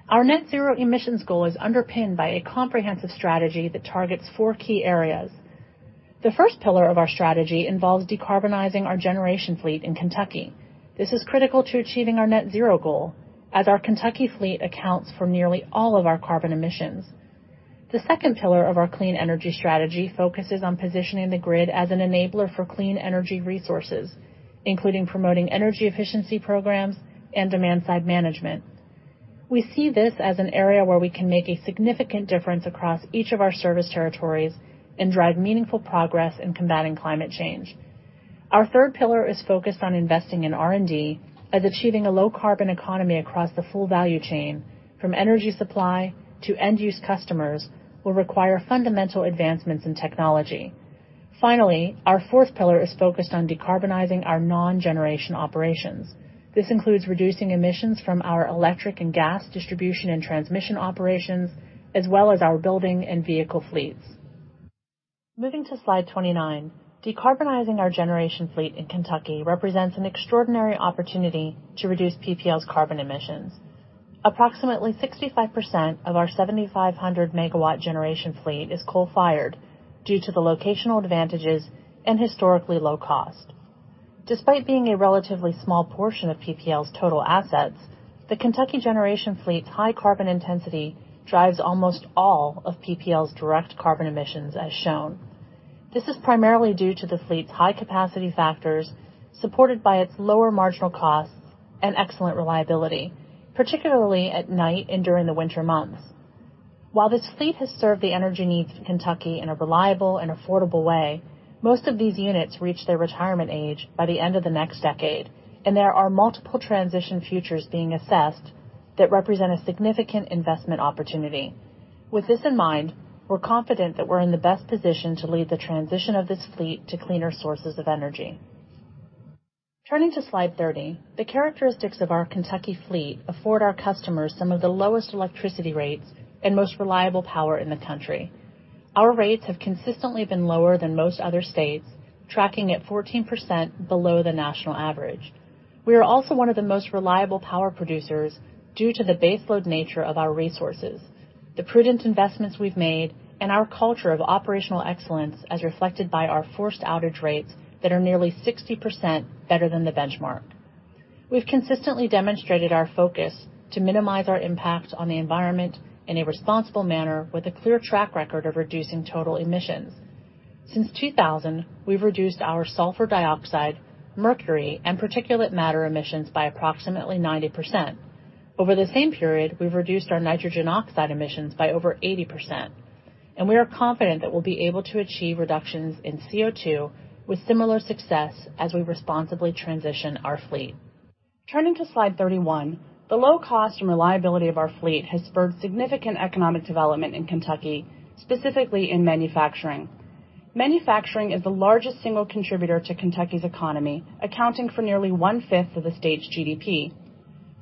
E: Our net zero emissions goal is underpinned by a comprehensive strategy that targets four key areas. The first pillar of our strategy involves decarbonizing our generation fleet in Kentucky. This is critical to achieving our net zero goal, as our Kentucky fleet accounts for nearly all of our carbon emissions. The second pillar of our clean energy strategy focuses on positioning the grid as an enabler for clean energy resources, including promoting energy efficiency programs and demand-side management. We see this as an area where we can make a significant difference across each of our service territories and drive meaningful progress in combating climate change. Our third pillar is focused on investing in R&D as achieving a low carbon economy across the full value chain from energy supply to end-use customers will require fundamental advancements in technology. Finally, our fourth pillar is focused on decarbonizing our non-generation operations. This includes reducing emissions from our electric and gas distribution and transmission operations, as well as our building and vehicle fleets. Moving to slide 29. Decarbonizing our generation fleet in Kentucky represents an extraordinary opportunity to reduce PPL's carbon emissions. Approximately 65% of our 7,500-MW generation fleet is coal-fired due to the locational advantages, and historically low cost. Despite being a relatively small portion of PPL's total assets, the Kentucky generation fleet's high carbon intensity drives almost all of PPL's direct carbon emissions, as shown. This is primarily due to the fleet's high capacity factors supported by its lower marginal costs and excellent reliability, particularly at night and during the winter months. While this fleet has served the energy needs of Kentucky in a reliable and affordable way, most of these units reach their retirement age by the end of the next decade, and there are multiple transition futures being assessed that represent a significant investment opportunity. With this in mind, we're confident that we're in the best position to lead the transition of this fleet to cleaner sources of energy. Turning to slide 30. The characteristics of our Kentucky fleet afford our customers some of the lowest electricity rates and most reliable power in the country. Our rates have consistently been lower than most other states, tracking at 14% below the national average. We are also one of the most reliable power producers due to the base load nature of our resources, the prudent investments we've made, and our culture of operational excellence, as reflected by our forced outage rates that are nearly 60% better than the benchmark. We've consistently demonstrated our focus to minimize our impact on the environment in a responsible manner with a clear track record of reducing total emissions. Since 2000, we've reduced our sulfur dioxide, mercury, and particulate matter emissions by approximately 90%. Over the same period, we've reduced our nitrogen oxide emissions by over 80%, and we are confident that we'll be able to achieve reductions in CO2 with similar success as we responsibly transition our fleet. Turning to slide 31. The low cost and reliability of our fleet has spurred significant economic development in Kentucky, specifically in manufacturing. Manufacturing is the largest single contributor to Kentucky's economy, accounting for nearly one-fifth of the state's GDP.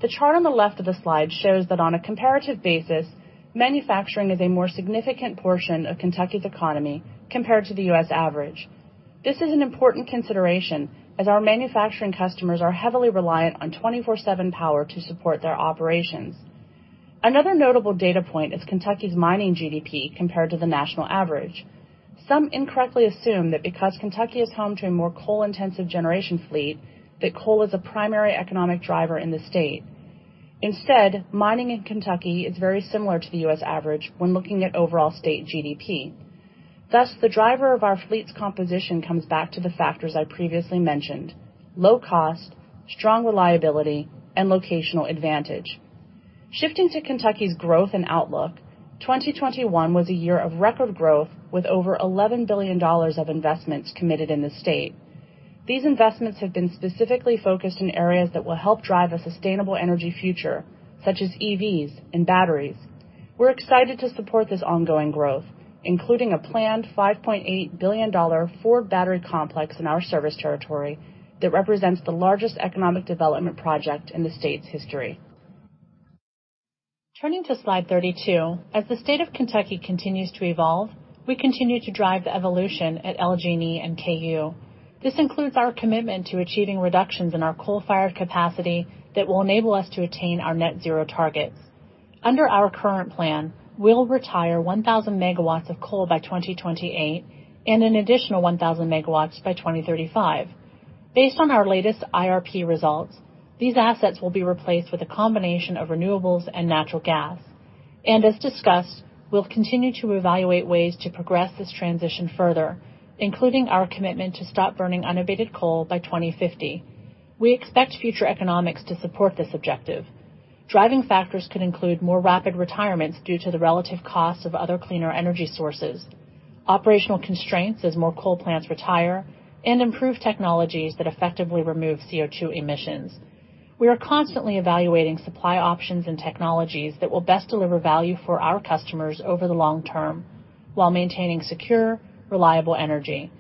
E: The chart on the left of the slide shows that on a comparative basis, manufacturing is a more significant portion of Kentucky's economy compared to the U.S. average. This is an important consideration as our manufacturing customers are heavily reliant on 24/7 power to support their operations. Another notable data point is Kentucky's mining GDP compared to the national average. Some incorrectly assume that because Kentucky is home to a more coal-intensive generation fleet, that coal is a primary economic driver in the state. Instead, mining in Kentucky is very similar to the U.S. average when looking at overall state GDP. Thus, the driver of our fleet's composition comes back to the factors I previously mentioned, low cost, strong reliability, and locational advantage. Shifting to Kentucky's growth and outlook, 2021 was a year of record growth with over $11 billion of investments committed in the state. These investments have been specifically focused in areas that will help drive a sustainable energy future, such as EVs and batteries. We're excited to support this ongoing growth, including a planned $5.8 billion Ford battery complex in our service territory that represents the largest economic development project in the state's history. Turning to slide 32, as the state of Kentucky continues to evolve, we continue to drive the evolution at LG&E and KU. This includes our commitment to achieving reductions in our coal-fired capacity that will enable us to attain our net zero targets. Under our current plan, we'll retire 1,000 megawatts of coal by 2028 and an additional 1,000 megawatts by 2035. Based on our latest IRP results, these assets will be replaced with a combination of renewables and natural gas. As discussed, we'll continue to evaluate ways to progress this transition further, including our commitment to stop burning unabated coal by 2050. We expect future economics to support this objective. Driving factors could include more rapid retirements due to the relative costs of other cleaner energy sources, operational constraints as more coal plants retire, and improved technologies that effectively remove CO₂ emissions. We are constantly evaluating supply options, and technologies that will best deliver value for our customers over the long term while maintaining secure, reliable energy.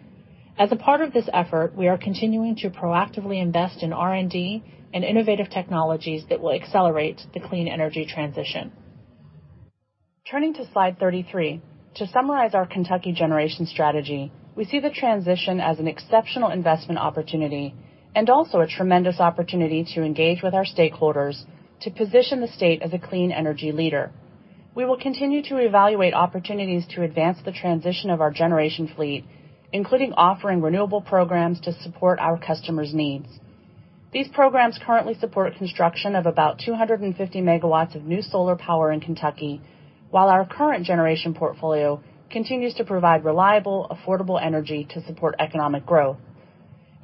E: As a part of this effort, we are continuing to proactively invest in R&D and innovative technologies that will accelerate the clean energy transition. Turning to slide 33, to summarize our Kentucky generation strategy, we see the transition as an exceptional investment opportunity, and also a tremendous opportunity to engage with our stakeholders to position the state as a clean energy leader. We will continue to evaluate opportunities to advance the transition of our generation fleet, including offering renewable programs to support our customers' needs. These programs currently support construction of about 250 MW of new solar power in Kentucky, while our current generation portfolio continues to provide reliable, affordable energy to support economic growth.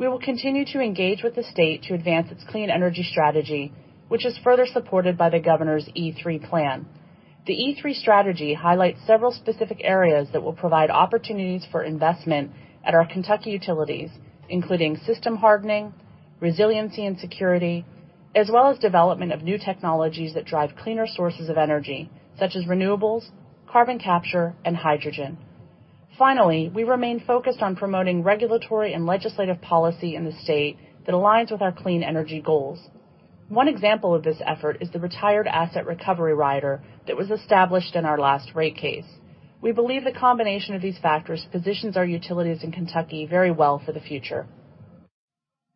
E: We will continue to engage with the state to advance its clean energy strategy, which is further supported by the governor's KYE3 plan. The E3 strategy highlights several specific areas that will provide opportunities for investment at our Kentucky Utilities, including system hardening, resiliency and security, as well as development of new technologies that drive cleaner sources of energy, such as renewables, carbon capture, and hydrogen. Finally, we remain focused on promoting regulatory and legislative policy in the state that aligns with our clean energy goals. One example of this effort is the Retired Asset Recovery Rider that was established in our last rate case. We believe the combination of these factors positions our utilities in Kentucky very well for the future.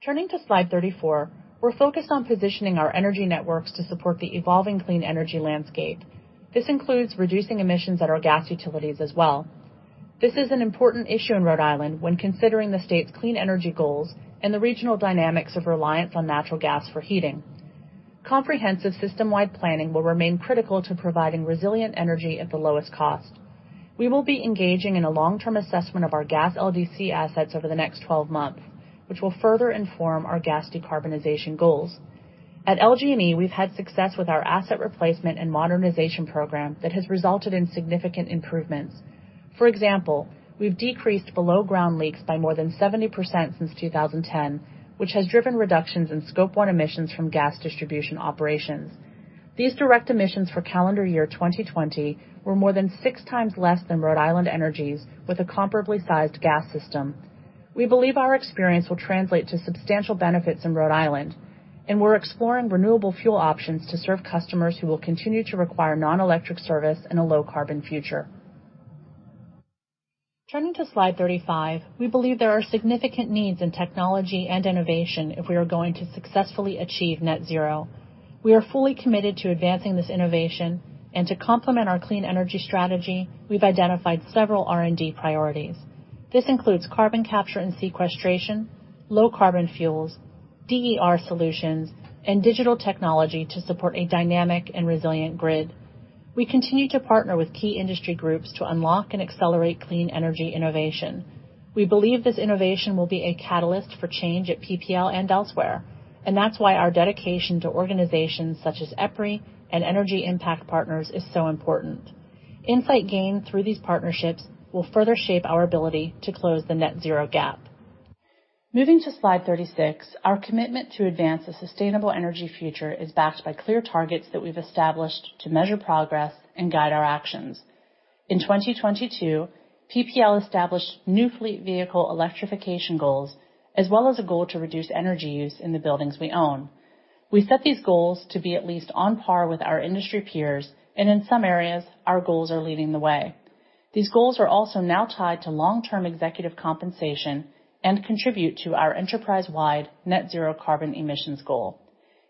E: Turning to slide 34, we're focused on positioning our energy networks to support the evolving clean energy landscape. This includes reducing emissions at our gas utilities as well. This is an important issue in Rhode Island when considering the state's clean energy goals, and the regional dynamics of reliance on natural gas for heating. Comprehensive system-wide planning will remain critical to providing resilient energy at the lowest cost. We will be engaging in a long-term assessment of our gas LDC assets over the next 12 months, which will further inform our gas decarbonization goals. At LG&E, we've had success with our asset replacement and modernization program that has resulted in significant improvements. For example, we've decreased below ground leaks by more than 70% since 2010, which has driven reductions in scope one emissions from gas distribution operations. These direct emissions for calendar year 2020 were more than six times less than Rhode Island Energy with a comparably sized gas system. We believe our experience will translate to substantial benefits in Rhode Island, and we're exploring renewable fuel options to serve customers who will continue to require non-electric service in a low carbon future. Turning to slide 35, we believe there are significant needs in technology and innovation if we are going to successfully achieve net zero. We are fully committed to advancing this innovation, and to complement our clean energy strategy, we've identified several R&D priorities. This includes carbon capture and sequestration, low carbon fuels, DER solutions, and digital technology to support a dynamic and resilient grid. We continue to partner with key industry groups to unlock and accelerate clean energy innovation. We believe this innovation will be a catalyst for change at PPL and elsewhere, and that's why our dedication to organizations such as EPRI and Energy Impact Partners is so important. Insight gained through these partnerships will further shape our ability to close the net zero gap. Moving to slide 36, our commitment to advance a sustainable energy future is backed by clear targets that we've established to measure progress and guide our actions. In 2022, PPL established new fleet vehicle electrification goals, as well as a goal to reduce energy use in the buildings we own. We set these goals to be at least on par with our industry peers, and in some areas, our goals are leading the way. These goals are also now tied to long-term executive compensation and contribute to our enterprise-wide net zero carbon emissions goal.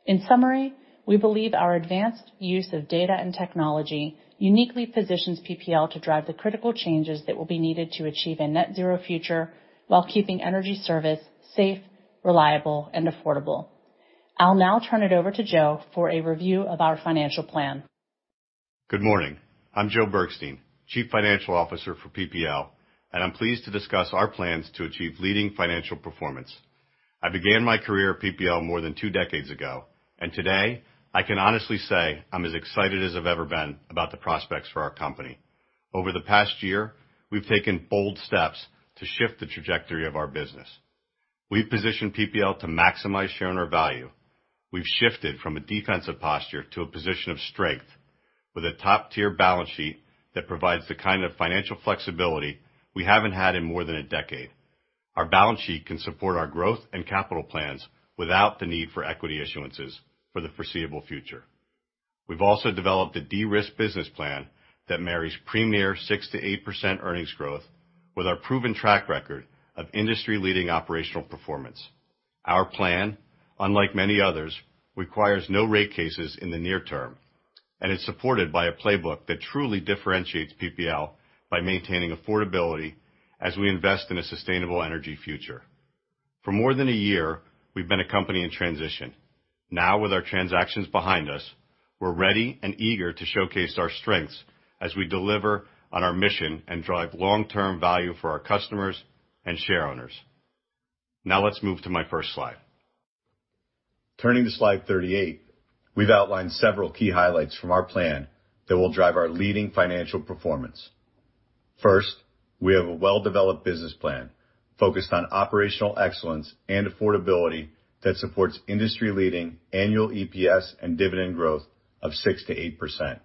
E: In summary, we believe our advanced use of data and technology uniquely positions PPL to drive the critical changes that will be needed to achieve a net zero future while keeping energy service safe, reliable, and affordable. I'll now turn it over to Joe for a review of our financial plan.
F: Good morning. I'm Joe Bergstein, Chief Financial Officer for PPL, and I'm pleased to discuss our plans to achieve leading financial performance. I began my career at PPL more than two decades ago, and today, I can honestly say I'm as excited as I've ever been about the prospects for our company. Over the past year, we've taken bold steps to shift the trajectory of our business. We've positioned PPL to maximize shareowner value. We've shifted from a defensive posture to a position of strength with a top-tier balance sheet that provides the kind of financial flexibility we haven't had in more than a decade. Our balance sheet can support our growth, and capital plans without the need for equity issuances for the foreseeable future. We've also developed a de-risk business plan that marries premier 6%-8% earnings growth with our proven track record of industry-leading operational performance. Our plan, unlike many others, requires no rate cases in the near term and is supported by a playbook that truly differentiates PPL by maintaining affordability as we invest in a sustainable energy future. For more than a year, we've been a company in transition. Now, with our transactions behind us, we're ready and eager to showcase our strengths as we deliver on our mission and drive long-term value for our customers and shareowners. Now let's move to my first slide. Turning to slide 38, we've outlined several key highlights from our plan that will drive our leading financial performance. First, we have a well-developed business plan focused on operational excellence and affordability that supports industry-leading annual EPS and dividend growth of 6%-8%.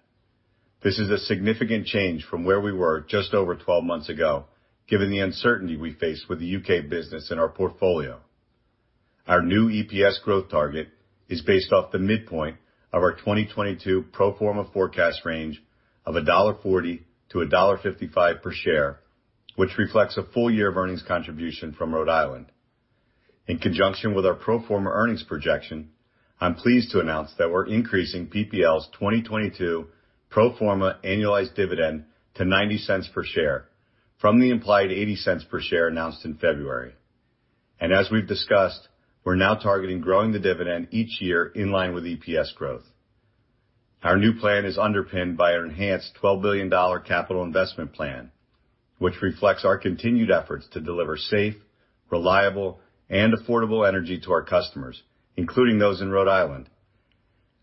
F: This is a significant change from where we were just over 12 months ago, given the uncertainty we faced with the U.K. business in our portfolio. Our new EPS growth target is based off the midpoint of our 2022 pro forma forecast range of $1.40-$1.55 per share, which reflects a full year of earnings contribution from Rhode Island. In conjunction with our pro forma earnings projection, I'm pleased to announce that we're increasing PPL's 2022 pro forma annualized dividend to $0.90 per share from the implied $0.80 per share announced in February. As we've discussed, we're now targeting growing the dividend each year in line with EPS growth. Our new plan is underpinned by an enhanced $12 billion capital investment plan, which reflects our continued efforts to deliver safe, reliable, and affordable energy to our customers, including those in Rhode Island.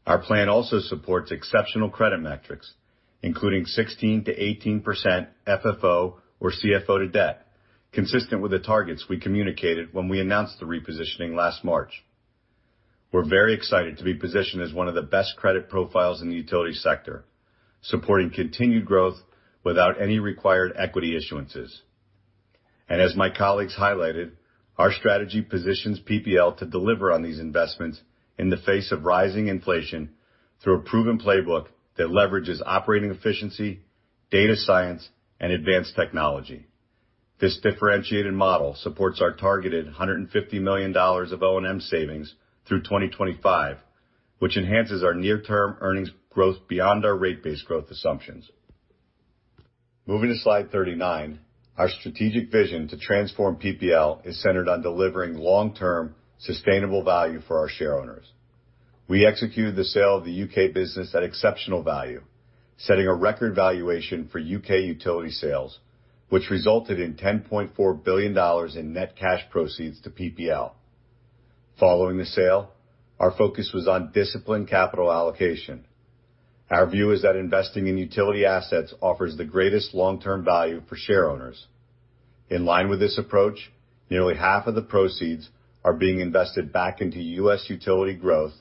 F: Our plan also supports exceptional credit metrics, including 16%-18% FFO or CFO to debt, consistent with the targets we communicated when we announced the repositioning last March. We're very excited to be positioned as one of the best credit profiles in the utility sector, supporting continued growth without any required equity issuances. As my colleagues highlighted, our strategy positions PPL to deliver on these investments in the face of rising inflation through a proven playbook that leverages operating efficiency, data science, and advanced technology. This differentiated model supports our targeted $150 million of O&M savings through 2025, which enhances our near-term earnings growth beyond our rate base growth assumptions. Moving to slide 39, our strategic vision to transform PPL is centered on delivering long-term, sustainable value for our shareowners. We executed the sale of the U.K. business at exceptional value, setting a record valuation for U.K. utility sales, which resulted in $10.4 billion in net cash proceeds to PPL. Following the sale, our focus was on disciplined capital allocation. Our view is that investing in utility assets offers the greatest long-term value for shareowners. In line with this approach, nearly half of the proceeds are being invested back into U.S. utility growth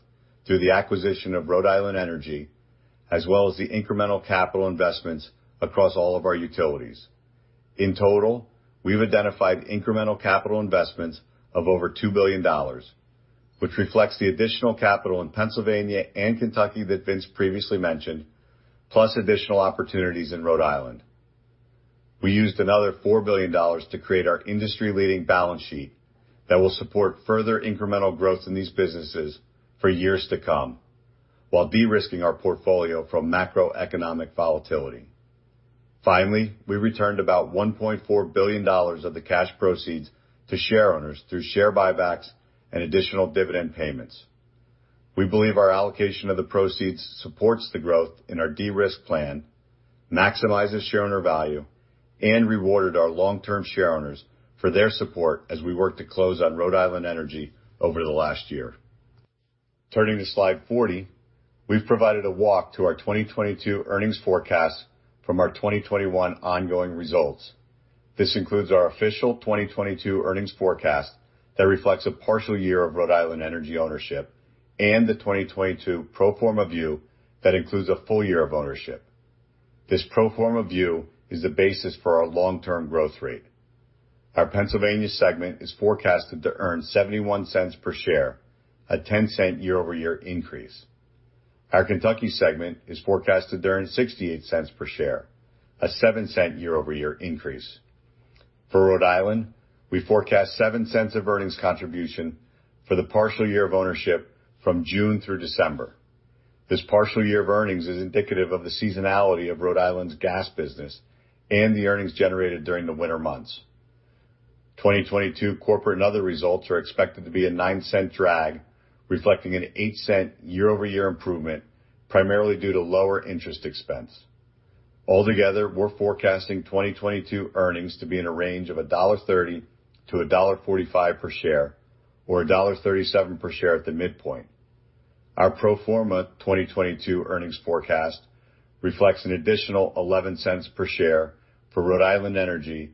F: through the acquisition of Rhode Island Energy, as well as the incremental capital investments across all of our utilities. In total, we've identified incremental capital investments of over $2 billion, which reflects the additional capital in Pennsylvania and Kentucky that Vince previously mentioned, plus additional opportunities in Rhode Island. We used another $4 billion to create our industry-leading balance sheet that will support further incremental growth in these businesses for years to come while de-risking our portfolio from macroeconomic volatility. Finally, we returned about $1.4 billion of the cash proceeds to shareowners through share buybacks and additional dividend payments. We believe our allocation of the proceeds supports the growth in our de-risk plan, maximizes shareowner value, and rewarded our long-term shareowners for their support as we worked to close on Rhode Island Energy over the last year. Turning to slide 40, we've provided a walk to our 2022 earnings forecast from our 2021 ongoing results. This includes our official 2022 earnings forecast that reflects a partial year of Rhode Island Energy ownership, and the 2022 pro forma view that includes a full year of ownership. This pro forma view is the basis for our long-term growth rate. Our Pennsylvania segment is forecasted to earn $0.71 per share, a $0.10 year-over-year increase. Our Kentucky segment is forecasted to earn $0.68 per share, a $0.07 year-over-year increase. For Rhode Island, we forecast $0.07 of earnings contribution for the partial year of ownership from June through December. This partial year of earnings is indicative of the seasonality of Rhode Island's gas business and the earnings generated during the winter months. 2022 corporate and other results are expected to be a $0.09 drag, reflecting an $0.08 year-over-year improvement, primarily due to lower interest expense. Altogether, we're forecasting 2022 earnings to be in a range of $1.30-$1.45 per share or $1.37 per share at the midpoint. Our pro forma 2022 earnings forecast reflects an additional $0.11 per share for Rhode Island Energy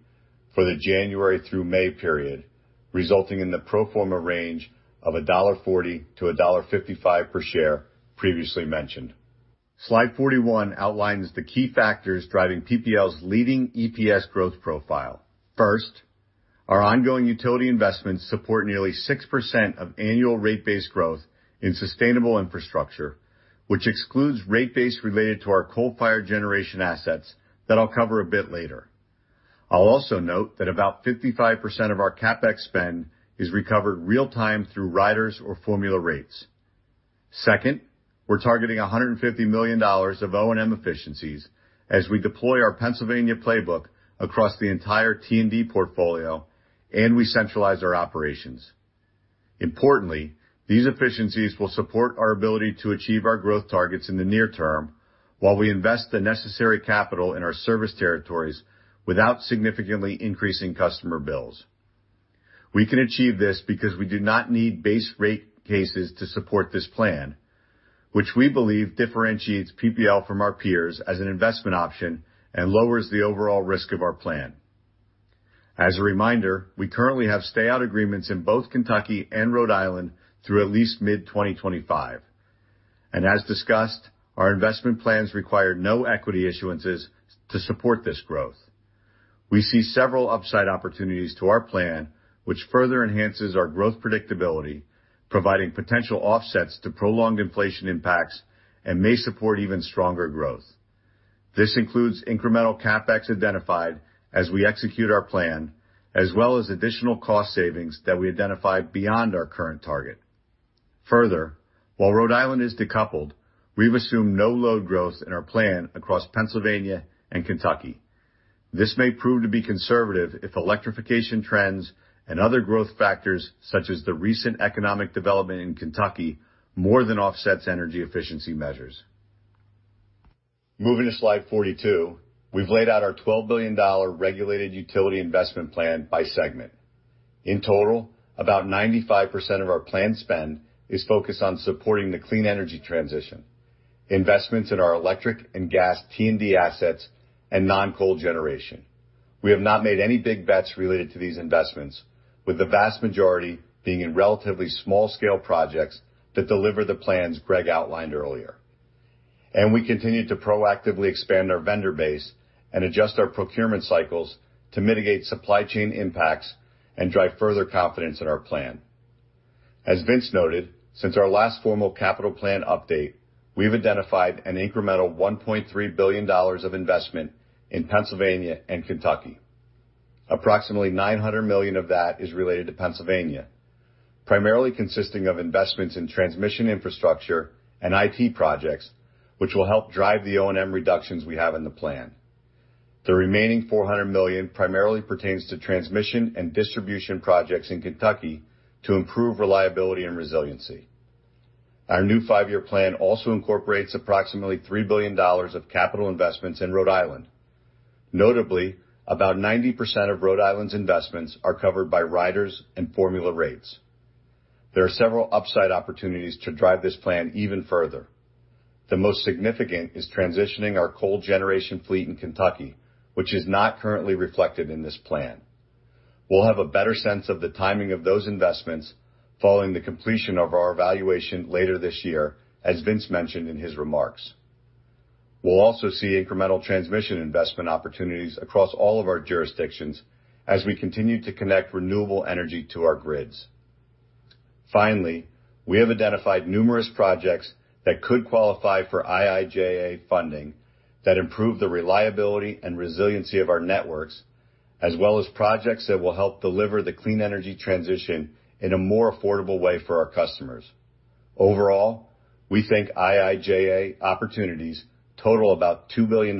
F: for the January through May period, resulting in the pro forma range of $1.40-$1.55 per share previously mentioned. Slide 41 outlines the key factors driving PPL's leading EPS growth profile. First, our ongoing utility investments support nearly 6% annual rate base growth in sustainable infrastructure, which excludes rate base related to our coal-fired generation assets that I'll cover a bit later. I'll also note that about 55% of our CapEx spend is recovered real time through riders or formula rates. Second, we're targeting $150 million of O&M efficiencies as we deploy our Pennsylvania playbook across the entire T&D portfolio, and we centralize our operations. Importantly, these efficiencies will support our ability to achieve our growth targets in the near term while we invest the necessary capital in our service territories without significantly increasing customer bills. We can achieve this because we do not need base rate cases to support this plan, which we believe differentiates PPL from our peers as an investment option and lowers the overall risk of our plan. As a reminder, we currently have stay-out agreements in both Kentucky and Rhode Island through at least mid-2025. As discussed, our investment plans require no equity issuances to support this growth. We see several upside opportunities to our plan, which further enhances our growth predictability, providing potential offsets to prolonged inflation impacts and may support even stronger growth. This includes incremental CapEx identified as we execute our plan, as well as additional cost savings that we identify beyond our current target. Further, while Rhode Island is decoupled, we've assumed no load growth in our plan across Pennsylvania and Kentucky. This may prove to be conservative if electrification trends and other growth factors, such as the recent economic development in Kentucky, more than offsets energy efficiency measures. Moving to slide 42, we've laid out our $12 billion regulated utility investment plan by segment. In total, about 95% of our planned spend is focused on supporting the clean energy transition, investments in our electric and gas T&D assets and non-coal generation. We have not made any big bets related to these investments, with the vast majority being in relatively small scale projects that deliver the plans Greg outlined earlier. We continue to proactively expand our vendor base, and adjust our procurement cycles to mitigate supply chain impacts and drive further confidence in our plan. As Vince noted, since our last formal capital plan update, we've identified an incremental $1.3 billion of investment in Pennsylvania and Kentucky. Approximately $900 million of that is related to Pennsylvania, primarily consisting of investments in transmission infrastructure and IT projects, which will help drive the O&M reductions we have in the plan. The remaining $400 million primarily pertains to transmission and distribution projects in Kentucky to improve reliability and resiliency. Our new five-year plan also incorporates approximately $3 billion of capital investments in Rhode Island. Notably, about 90% of Rhode Island's investments are covered by riders and formula rates. There are several upside opportunities to drive this plan even further. The most significant is transitioning our coal generation fleet in Kentucky, which is not currently reflected in this plan. We'll have a better sense of the timing of those investments following the completion of our evaluation later this year, as Vince mentioned in his remarks. We'll also see incremental transmission investment opportunities across all of our jurisdictions as we continue to connect renewable energy to our grids. Finally, we have identified numerous projects that could qualify for IIJA funding that improve the reliability and resiliency of our networks, as well as projects that will help deliver the clean energy transition in a more affordable way for our customers. Overall, we think IIJA opportunities total about $2 billion,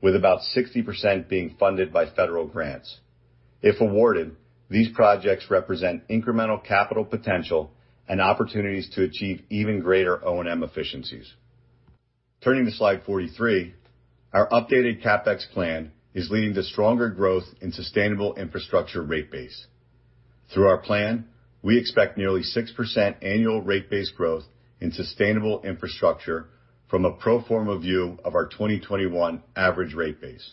F: with about 60% being funded by federal grants. If awarded, these projects represent incremental capital potential and opportunities to achieve even greater O&M efficiencies. Turning to slide 43. Our updated CapEx plan is leading to stronger growth in sustainable infrastructure rate base. Through our plan, we expect nearly 6% annual rate base growth in sustainable infrastructure from a pro forma view of our 2021 average rate base.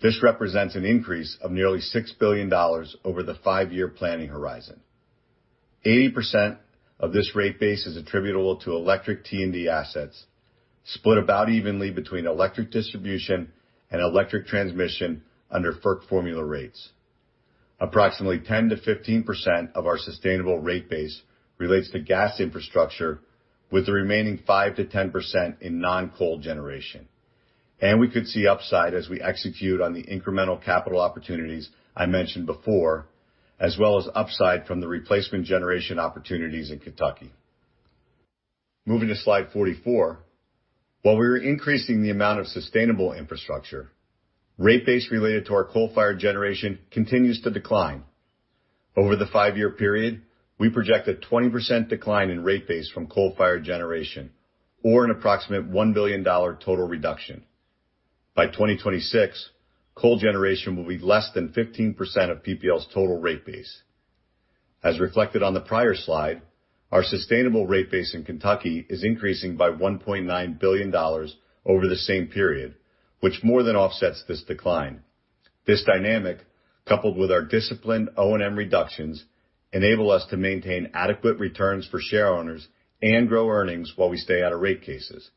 F: This represents an increase of nearly $6 billion over the five-year planning horizon. 80% of this rate base is attributable to electric T&D assets, split about evenly between electric distribution and electric transmission under FERC formula rates. Approximately 10%-15% of our sustainable rate base relates to gas infrastructure, with the remaining 5%-10% in non-coal generation. We could see upside as we execute on the incremental capital opportunities I mentioned before, as well as upside from the replacement generation opportunities in Kentucky. Moving to slide 44. While we were increasing the amount of sustainable infrastructure, rate base related to our coal-fired generation continues to decline. Over the five-year period, we project a 20% decline in rate base from coal-fired generation or an approximate $1 billion total reduction. By 2026, coal generation will be less than 15% of PPL's total rate base. As reflected on the prior slide, our sustainable rate base in Kentucky is increasing by $1.9 billion over the same period, which more than offsets this decline. This dynamic, coupled with our disciplined O&M reductions, enable us to maintain adequate returns for shareowners and grow earnings while we stay out of rate cases.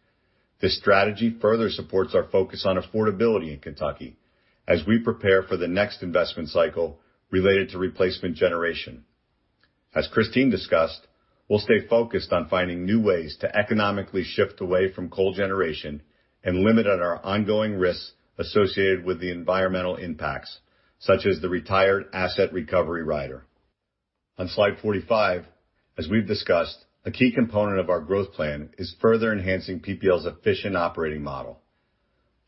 F: This strategy further supports our focus on affordability in Kentucky as we prepare for the next investment cycle related to replacement generation. As Christine discussed, we'll stay focused on finding new ways to economically shift away from coal generation and limit at our ongoing risks associated with the environmental impacts, such as the Retired Asset Recovery Rider. On slide 45, as we've discussed, a key component of our growth plan is further enhancing PPL's efficient operating model.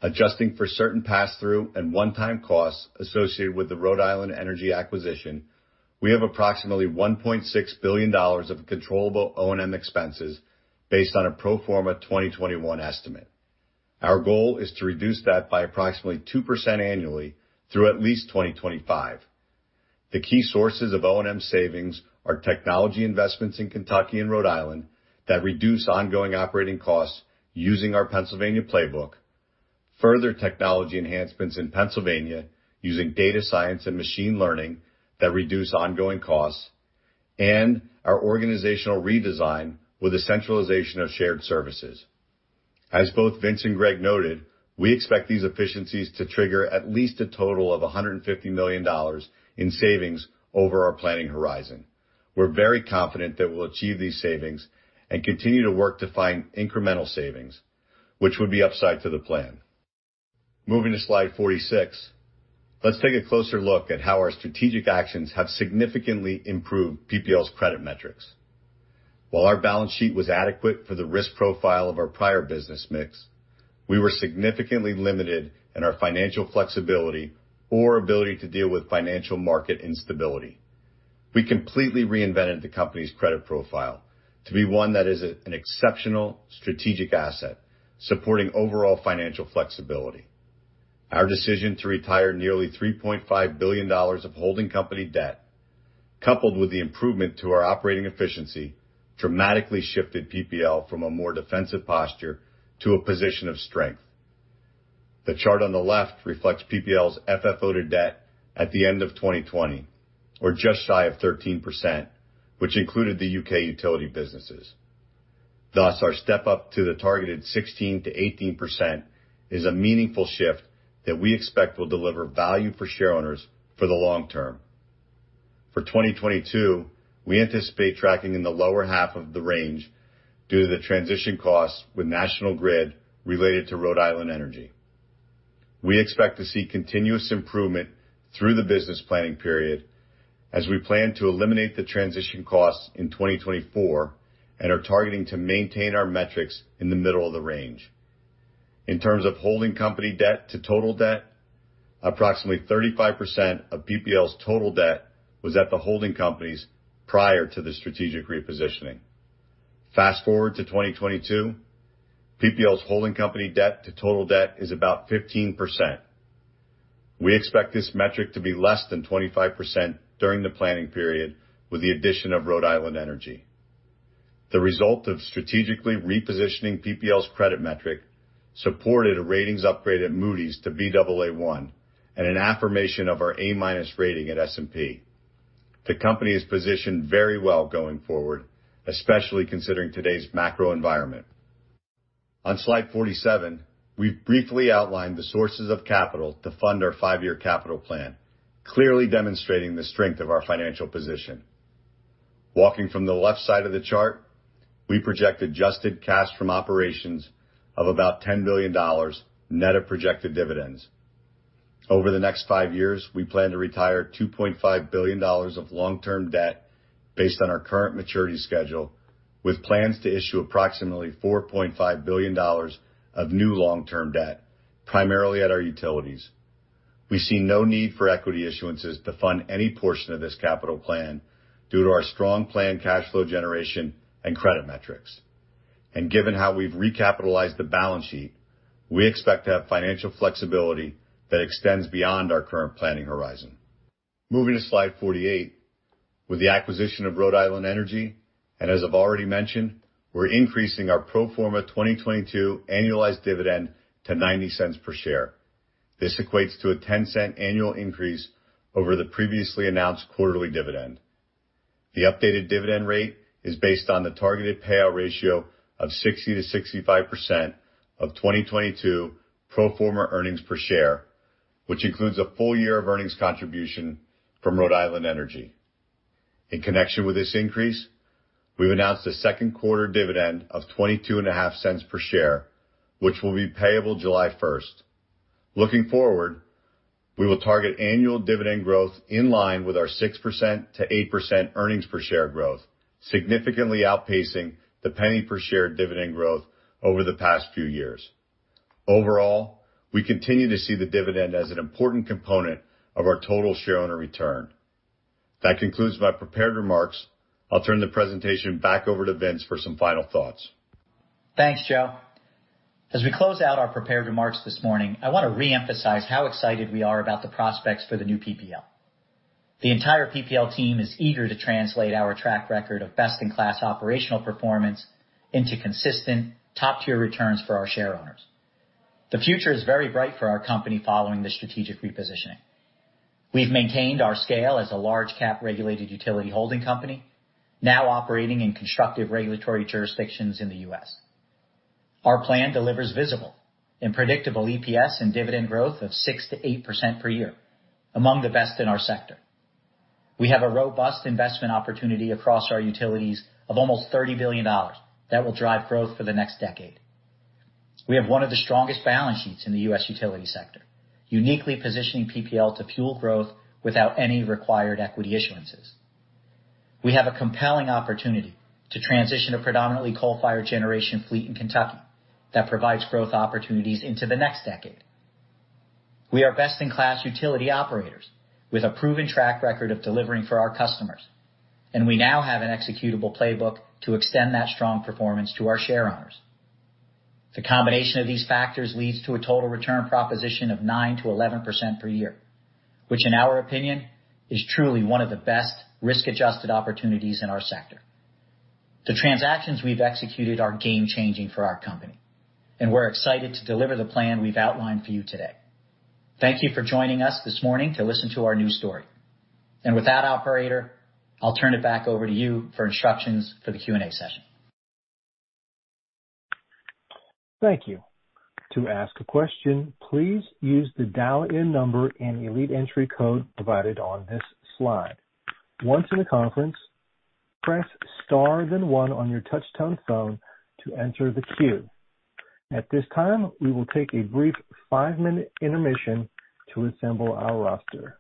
F: Adjusting for certain pass-through and one-time costs associated with the Rhode Island Energy acquisition, we have approximately $1.6 billion of controllable O&M expenses based on a pro forma 2021 estimate. Our goal is to reduce that by approximately 2% annually through at least 2025. The key sources of O&M savings are technology investments in Kentucky and Rhode Island that reduce ongoing operating costs using our Pennsylvania playbook. Further technology enhancements in Pennsylvania using data science, and machine learning that reduce ongoing costs, and our organizational redesign with the centralization of shared services. As both Vince and Greg noted, we expect these efficiencies to trigger at least a total of $150 million in savings over our planning horizon. We're very confident that we'll achieve these savings and continue to work to find incremental savings, which would be upside to the plan. Moving to slide 46. Let's take a closer look at how our strategic actions have significantly improved PPL's credit metrics. While our balance sheet was adequate for the risk profile of our prior business mix, we were significantly limited in our financial flexibility or ability to deal with financial market instability. We completely reinvented the company's credit profile to be one that is an exceptional strategic asset, supporting overall financial flexibility. Our decision to retire nearly $3.5 billion of holding company debt, coupled with the improvement to our operating efficiency, dramatically shifted PPL from a more defensive posture to a position of strength. The chart on the left reflects PPL's FFO to debt at the end of 2020 or just shy of 13%, which included the UK utility businesses. Thus, our step-up to the targeted 16%-18% is a meaningful shift that we expect will deliver value for shareowners for the long term. For 2022, we anticipate tracking in the lower half of the range due to the transition costs with National Grid related to Rhode Island Energy. We expect to see continuous improvement through the business planning period as we plan to eliminate the transition costs in 2024 and are targeting to maintain our metrics in the middle of the range. In terms of holding company debt to total debt, approximately 35% of PPL's total debt was at the holding companies prior to the strategic repositioning. Fast-forward to 2022, PPL's holding company debt to total debt is about 15%. We expect this metric to be less than 25% during the planning period with the addition of Rhode Island Energy. The result of strategically repositioning PPL's credit metric supported a ratings upgrade at Moody's to Baa1 and an affirmation of our A- rating at S&P. The company is positioned very well going forward, especially considering today's macro environment. On slide 47, we've briefly outlined the sources of capital to fund our five-year capital plan, clearly demonstrating the strength of our financial position. Walking from the left side of the chart, we project adjusted cash from operations of about $10 billion net of projected dividends. Over the next five years, we plan to retire $2.5 billion of long-term debt based on our current maturity schedule, with plans to issue approximately $4.5 billion of new long-term debt, primarily at our utilities. We see no need for equity issuances to fund any portion of this capital plan due to our strong planned cash flow generation and credit metrics. Given how we've recapitalized the balance sheet, we expect to have financial flexibility that extends beyond our current planning horizon. Moving to slide 48. With the acquisition of Rhode Island Energy, and as I've already mentioned, we're increasing our pro forma 2022 annualized dividend to $0.90 per share. This equates to a $0.10 annual increase over the previously announced quarterly dividend. The updated dividend rate is based on the targeted payout ratio of 60%-65% of 2022 pro forma earnings per share, which includes a full year of earnings contribution from Rhode Island Energy. In connection with this increase, we've announced a second quarter dividend of $0.225 per share, which will be payable July 1. Looking forward, we will target annual dividend growth in line with our 6%-8% earnings per share growth, significantly outpacing the penny per share dividend growth over the past few years. Overall, we continue to see the dividend as an important component of our total shareowner return. That concludes my prepared remarks. I'll turn the presentation back over to Vince for some final thoughts.
C: Thanks, Joe. As we close out our prepared remarks this morning, I want to reemphasize how excited we are about the prospects for the new PPL. The entire PPL team is eager to translate our track record of best-in-class operational performance into consistent top-tier returns for our shareowners. The future is very bright for our company following the strategic repositioning. We've maintained our scale as a large cap regulated utility holding company, now operating in constructive regulatory jurisdictions in the U.S. Our plan delivers visible and predictable EPS and dividend growth of 6%-8% per year, among the best in our sector. We have a robust investment opportunity across our utilities of almost $30 billion that will drive growth for the next decade. We have one of the strongest balance sheets in the U.S. utility sector, uniquely positioning PPL to fuel growth without any required equity issuances. We have a compelling opportunity to transition a predominantly coal-fired generation fleet in Kentucky that provides growth opportunities into the next decade. We are best-in-class utility operators with a proven track record of delivering for our customers, and we now have an executable playbook to extend that strong performance to our shareowners. The combination of these factors leads to a total return proposition of 9%-11% per year, which in our opinion, is truly one of the best risk-adjusted opportunities in our sector. The transactions we've executed are game-changing for our company, and we're excited to deliver the plan we've outlined for you today. Thank you for joining us this morning to listen to our new story. With that, operator, I'll turn it back over to you for instructions for the Q&A session.
A: Thank you. To ask a question, please use the dial-in number and the entry code provided on this slide. Once in the conference, press star then one on your touch-tone phone to enter the queue. At this time, we will take a brief five-minute intermission to assemble our roster.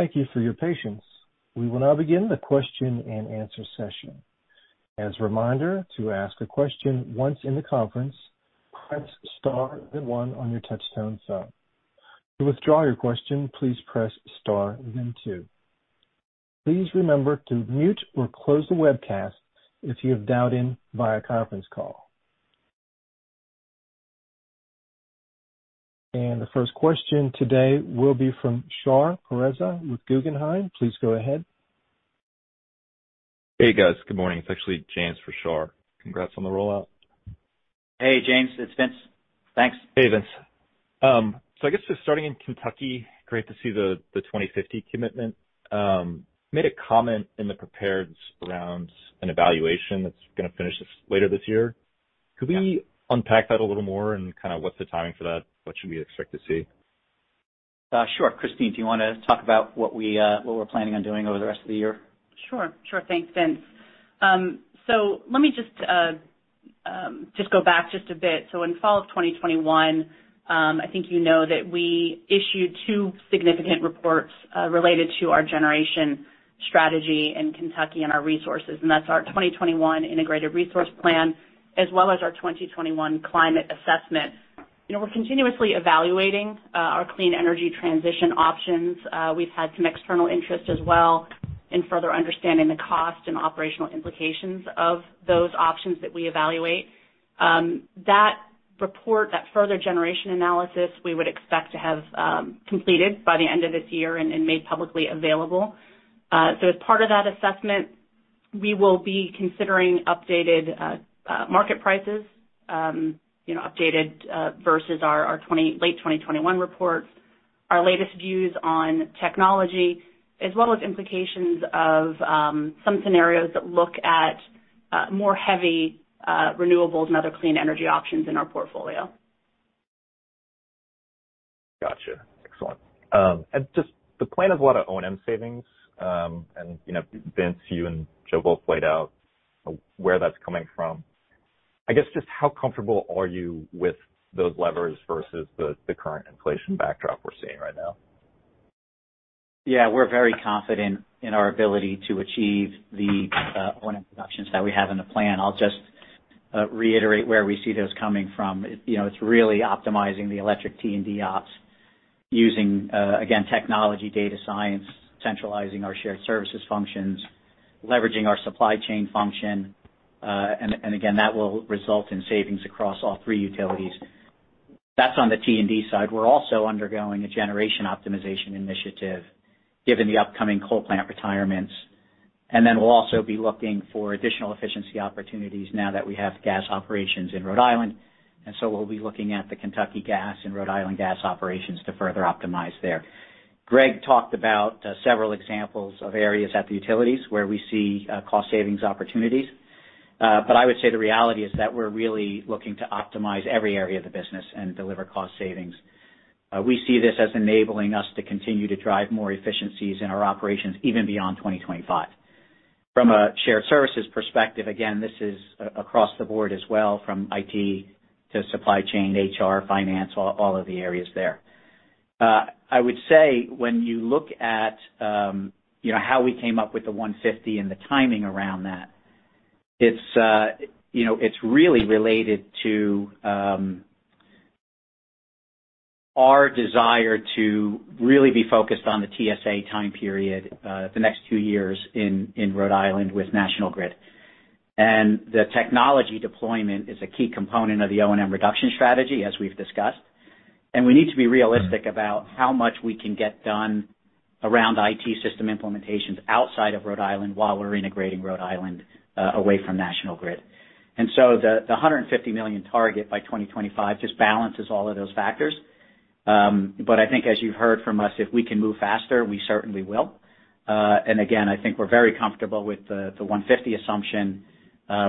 A: Thank you for your patience. We will now begin the question and answer session. As a reminder, to ask a question once in the conference, press Star then one on your touch-tone phone. To withdraw your question, please press Star, then two. Please remember to mute or close the webcast if you have dialed in via conference call. The first question today will be from Shar Pourreza with Guggenheim. Please go ahead.
G: Hey, guys. Good morning. It's actually James for Shar. Congrats on the rollout.
C: Hey, James, it's Vince. Thanks.
G: Hey, Vince. I guess just starting in Kentucky, great to see the 2050 commitment. Made a comment in the prepared remarks around an evaluation that's gonna finish later this year.
C: Yeah.
G: Could we unpack that a little more and kind of what's the timing for that? What should we expect to see?
C: Sure. Christine, do you wanna talk about what we're planning on doing over the rest of the year?
E: Sure. Thanks, Vince. Let me just go back just a bit. In fall of 2021, I think you know that we issued two significant reports related to our generation strategy in Kentucky and our resources, and that's our 2021 integrated resource plan as well as our 2021 climate assessment. You know, we're continuously evaluating our clean energy transition options. We've had some external interest as well in further understanding the cost and operational implications of those options that we evaluate. That report, that further generation analysis we would expect to have completed by the end of this year and made publicly available. As part of that assessment, we will be considering updated market prices, you know, updated versus our late 2021 reports, our latest views on technology, as well as implications of some scenarios that look at more heavily renewables and other clean energy options in our portfolio.
G: Gotcha. Excellent. Just the plan of a lot of O&M savings, and, you know, Vince, you and Joe both laid out where that's coming from. I guess, just how comfortable are you with those levers versus the current inflation backdrop we're seeing right now?
C: Yeah, we're very confident in our ability to achieve the O&M reductions that we have in the plan. I'll just reiterate where we see those coming from. You know, it's really optimizing the electric T&D ops using again technology, data science, centralizing our shared services functions, leveraging our supply chain function. And again, that will result in savings across all three utilities. That's on the T&D side. We're also undergoing a generation optimization initiative given the upcoming coal plant retirements. We'll also be looking for additional efficiency opportunities now that we have gas operations in Rhode Island. We'll be looking at the Kentucky Gas and Rhode Island Gas operations to further optimize there. Greg talked about several examples of areas at the utilities where we see cost savings opportunities. I would say the reality is that we're really looking to optimize every area of the business and deliver cost savings. We see this as enabling us to continue to drive more efficiencies in our operations even beyond 2025. From a shared services perspective, again, this is across the board as well, from IT to supply chain, HR, finance, all of the areas there. I would say when you look at you know how we came up with the $150 and the timing around that, it's you know it's really related to our desire to really be focused on the TSA time period, the next two years in Rhode Island with National Grid. The technology deployment is a key component of the O&M reduction strategy, as we've discussed. We need to be realistic about how much we can get done around IT system implementations outside of Rhode Island while we're integrating Rhode Island away from National Grid. The $150 million target by 2025 just balances all of those factors. But I think as you've heard from us, if we can move faster, we certainly will. And again, I think we're very comfortable with the $150 assumption.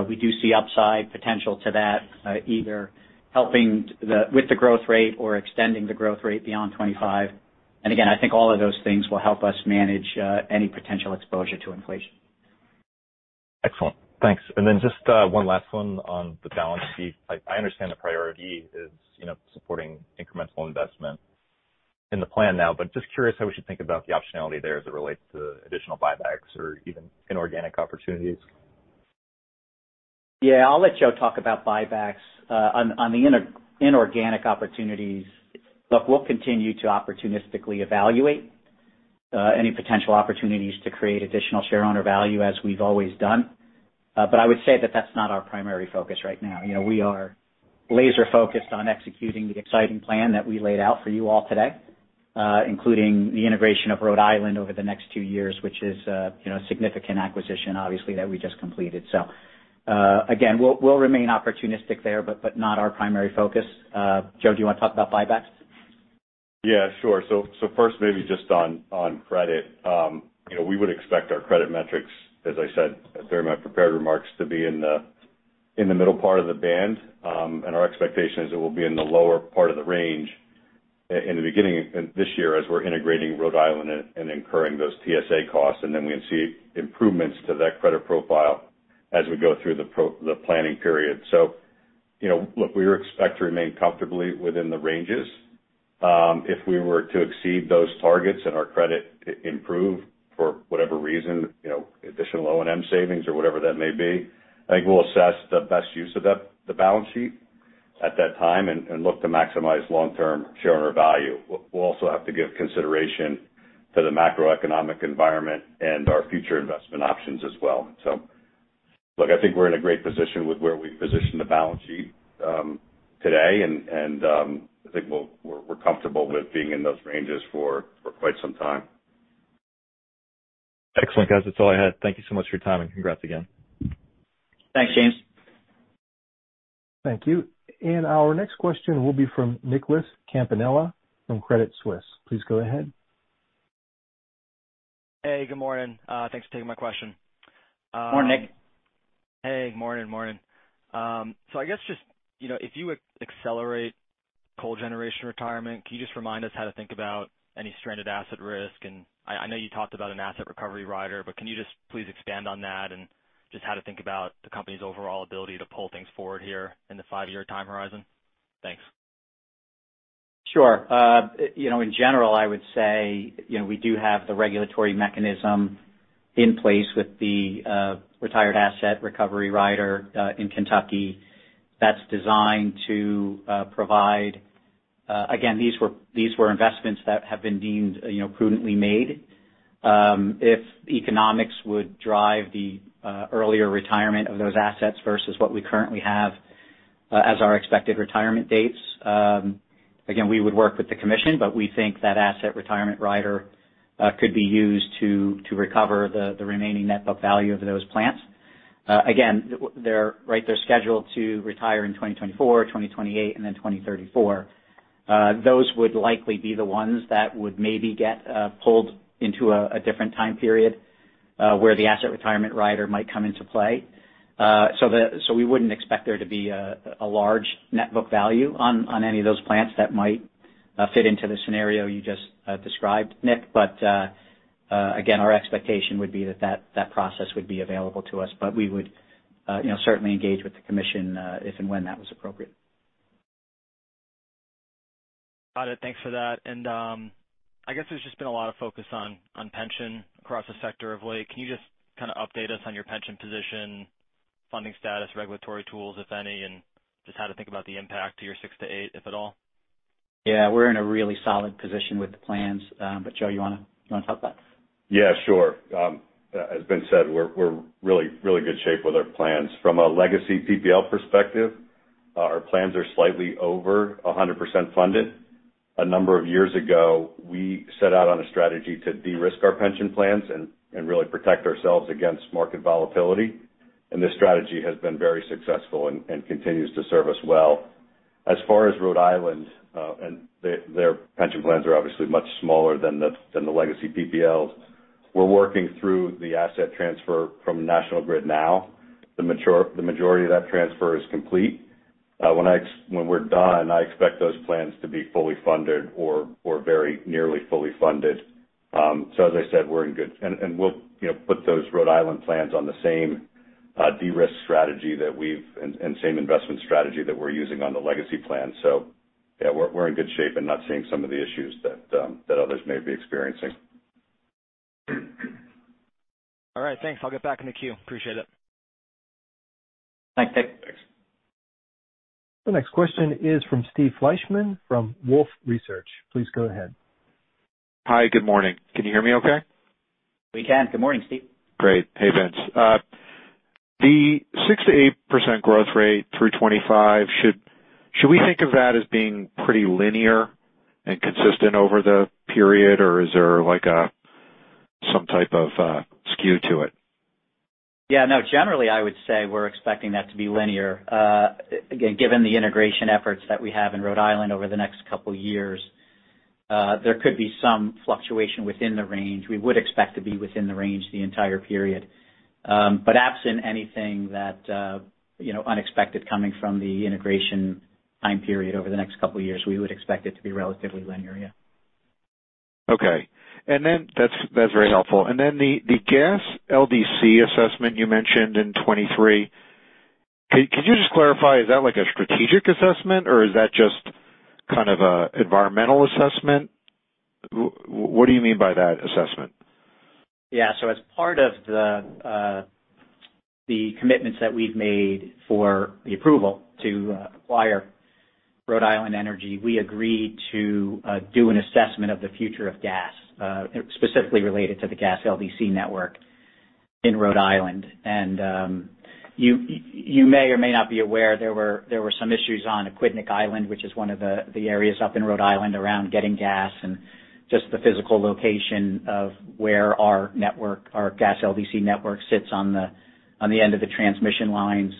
C: We do see upside potential to that, either helping with the growth rate or extending the growth rate beyond 2025. And again, I think all of those things will help us manage any potential exposure to inflation.
G: Excellent. Thanks. Just one last one on the balance sheet. I understand the priority is, you know, supporting incremental investment in the plan now, but just curious how we should think about the optionality there as it relates to additional buybacks or even inorganic opportunities.
C: Yeah, I'll let Joe talk about buybacks. On the inorganic opportunities, look, we'll continue to opportunistically evaluate any potential opportunities to create additional shareowner value as we've always done. But I would say that that's not our primary focus right now. You know, we are laser-focused on executing the exciting plan that we laid out for you all today, including the integration of Rhode Island over the next two years, which is, you know, a significant acquisition, obviously, that we just completed. Again, we'll remain opportunistic there, but not our primary focus. Joe, do you wanna talk about buybacks?
F: Yeah, sure. First maybe just on credit. You know, we would expect our credit metrics, as I said during my prepared remarks, to be in the middle part of the band. Our expectation is it will be in the lower part of the range in the beginning of this year as we're integrating Rhode Island, and incurring those TSA costs. Then we can see improvements to that credit profile as we go through the planning period. You know, look, we expect to remain comfortably within the ranges. If we were to exceed those targets and our credit improve for whatever reason, you know, additional O&M savings or whatever that may be, I think we'll assess the best use of that, the balance sheet at that time and look to maximize long-term shareowner value. We'll also have to give consideration to the macroeconomic environment, and our future investment options as well. Look, I think we're in a great position with where we position the balance sheet today. I think we're comfortable with being in those ranges for quite some time.
G: Excellent, guys. That's all I had. Thank you so much for your time, and congrats again.
C: Thanks, James.
A: Thank you. Our next question will be from Nicholas Campanella from Credit Suisse. Please go ahead.
H: Hey, good morning. Thanks for taking my question.
C: Morning, Nick.
H: Hey. Morning. I guess just, you know, if you accelerate coal generation retirement, can you just remind us how to think about any stranded asset risk? I know you talked about an asset recovery rider, but can you just please expand on that and just how to think about the company's overall ability to pull things forward here in the five-year time horizon? Thanks.
C: Sure. You know, in general, I would say, you know, we do have the regulatory mechanism in place with the Retired Asset Recovery Rider in Kentucky that's designed to provide. Again, these were investments that have been deemed, you know, prudently made. If economics would drive the earlier retirement of those assets versus what we currently have as our expected retirement dates, again, we would work with the commission, but we think that Retired Asset Recovery Rider could be used to recover the remaining net book value of those plants. Again, they're scheduled to retire in 2024, 2028, and then 2034. Those would likely be the ones that would maybe get pulled into a different time period where the Retired Asset Recovery Rider might come into play. We wouldn't expect there to be a large net book value on any of those plants that might fit into the scenario you just described, Nick. Again, our expectation would be that process would be available to us, but we would certainly engage with the commission if and when that was appropriate.
H: Got it. Thanks for that. I guess there's just been a lot of focus on pension across the sector of late. Can you just kind of update us on your pension position, funding status, regulatory tools, if any, and just how to think about the impact to your six to eight, if at all?
C: Yeah. We're in a really solid position with the plans. Joe, you wanna talk about it?
F: Yeah, sure. As Ben said, we're really in good shape with our plans. From a legacy PPL perspective, our plans are slightly over 100% funded. A number of years ago, we set out on a strategy to de-risk our pension plans, and really protect ourselves against market volatility. This strategy has been very successful and continues to serve us well. As far as Rhode Island and their pension plans are obviously much smaller than the legacy PPL's. We're working through the asset transfer from National Grid now. The majority of that transfer is complete. When we're done, I expect those plans to be fully funded or very nearly fully funded. As I said, we'll, you know, put those Rhode Island plans on the same de-risk strategy and same investment strategy that we're using on the legacy plan. Yeah, we're in good shape and not seeing some of the issues that others may be experiencing.
H: All right, thanks. I'll get back in the queue. Appreciate it.
C: Thanks.
A: Thanks. The next question is from Steve Fleishman from Wolfe Research. Please go ahead.
I: Hi. Good morning. Can you hear me okay?
C: We can. Good morning, Steve.
I: Great. Hey, Vince. The 6%-8% growth rate through 2025, should we think of that as being pretty linear and consistent over the period, or is there like a, some type of, skew to it?
C: Yeah, no, generally I would say we're expecting that to be linear. Again, given the integration efforts that we have in Rhode Island over the next couple years, there could be some fluctuation within the range. We would expect to be within the range the entire period. Absent anything that, you know, unexpected coming from the integration time period over the next couple of years, we would expect it to be relatively linear, yeah.
I: Okay. That's very helpful. The gas LDC assessment you mentioned in 2023, can you just clarify, is that like a strategic assessment or is that just kind of a environmental assessment? What do you mean by that assessment?
C: Yeah. As part of the commitments that we've made for the approval to acquire Rhode Island Energy, we agreed to do an assessment of the future of gas, specifically related to the gas LDC network in Rhode Island. You may or may not be aware, there were some issues on Aquidneck Island, which is one of the areas up in Rhode Island around getting gas and just the physical location of where our network, our gas LDC network sits on the end of the transmission lines.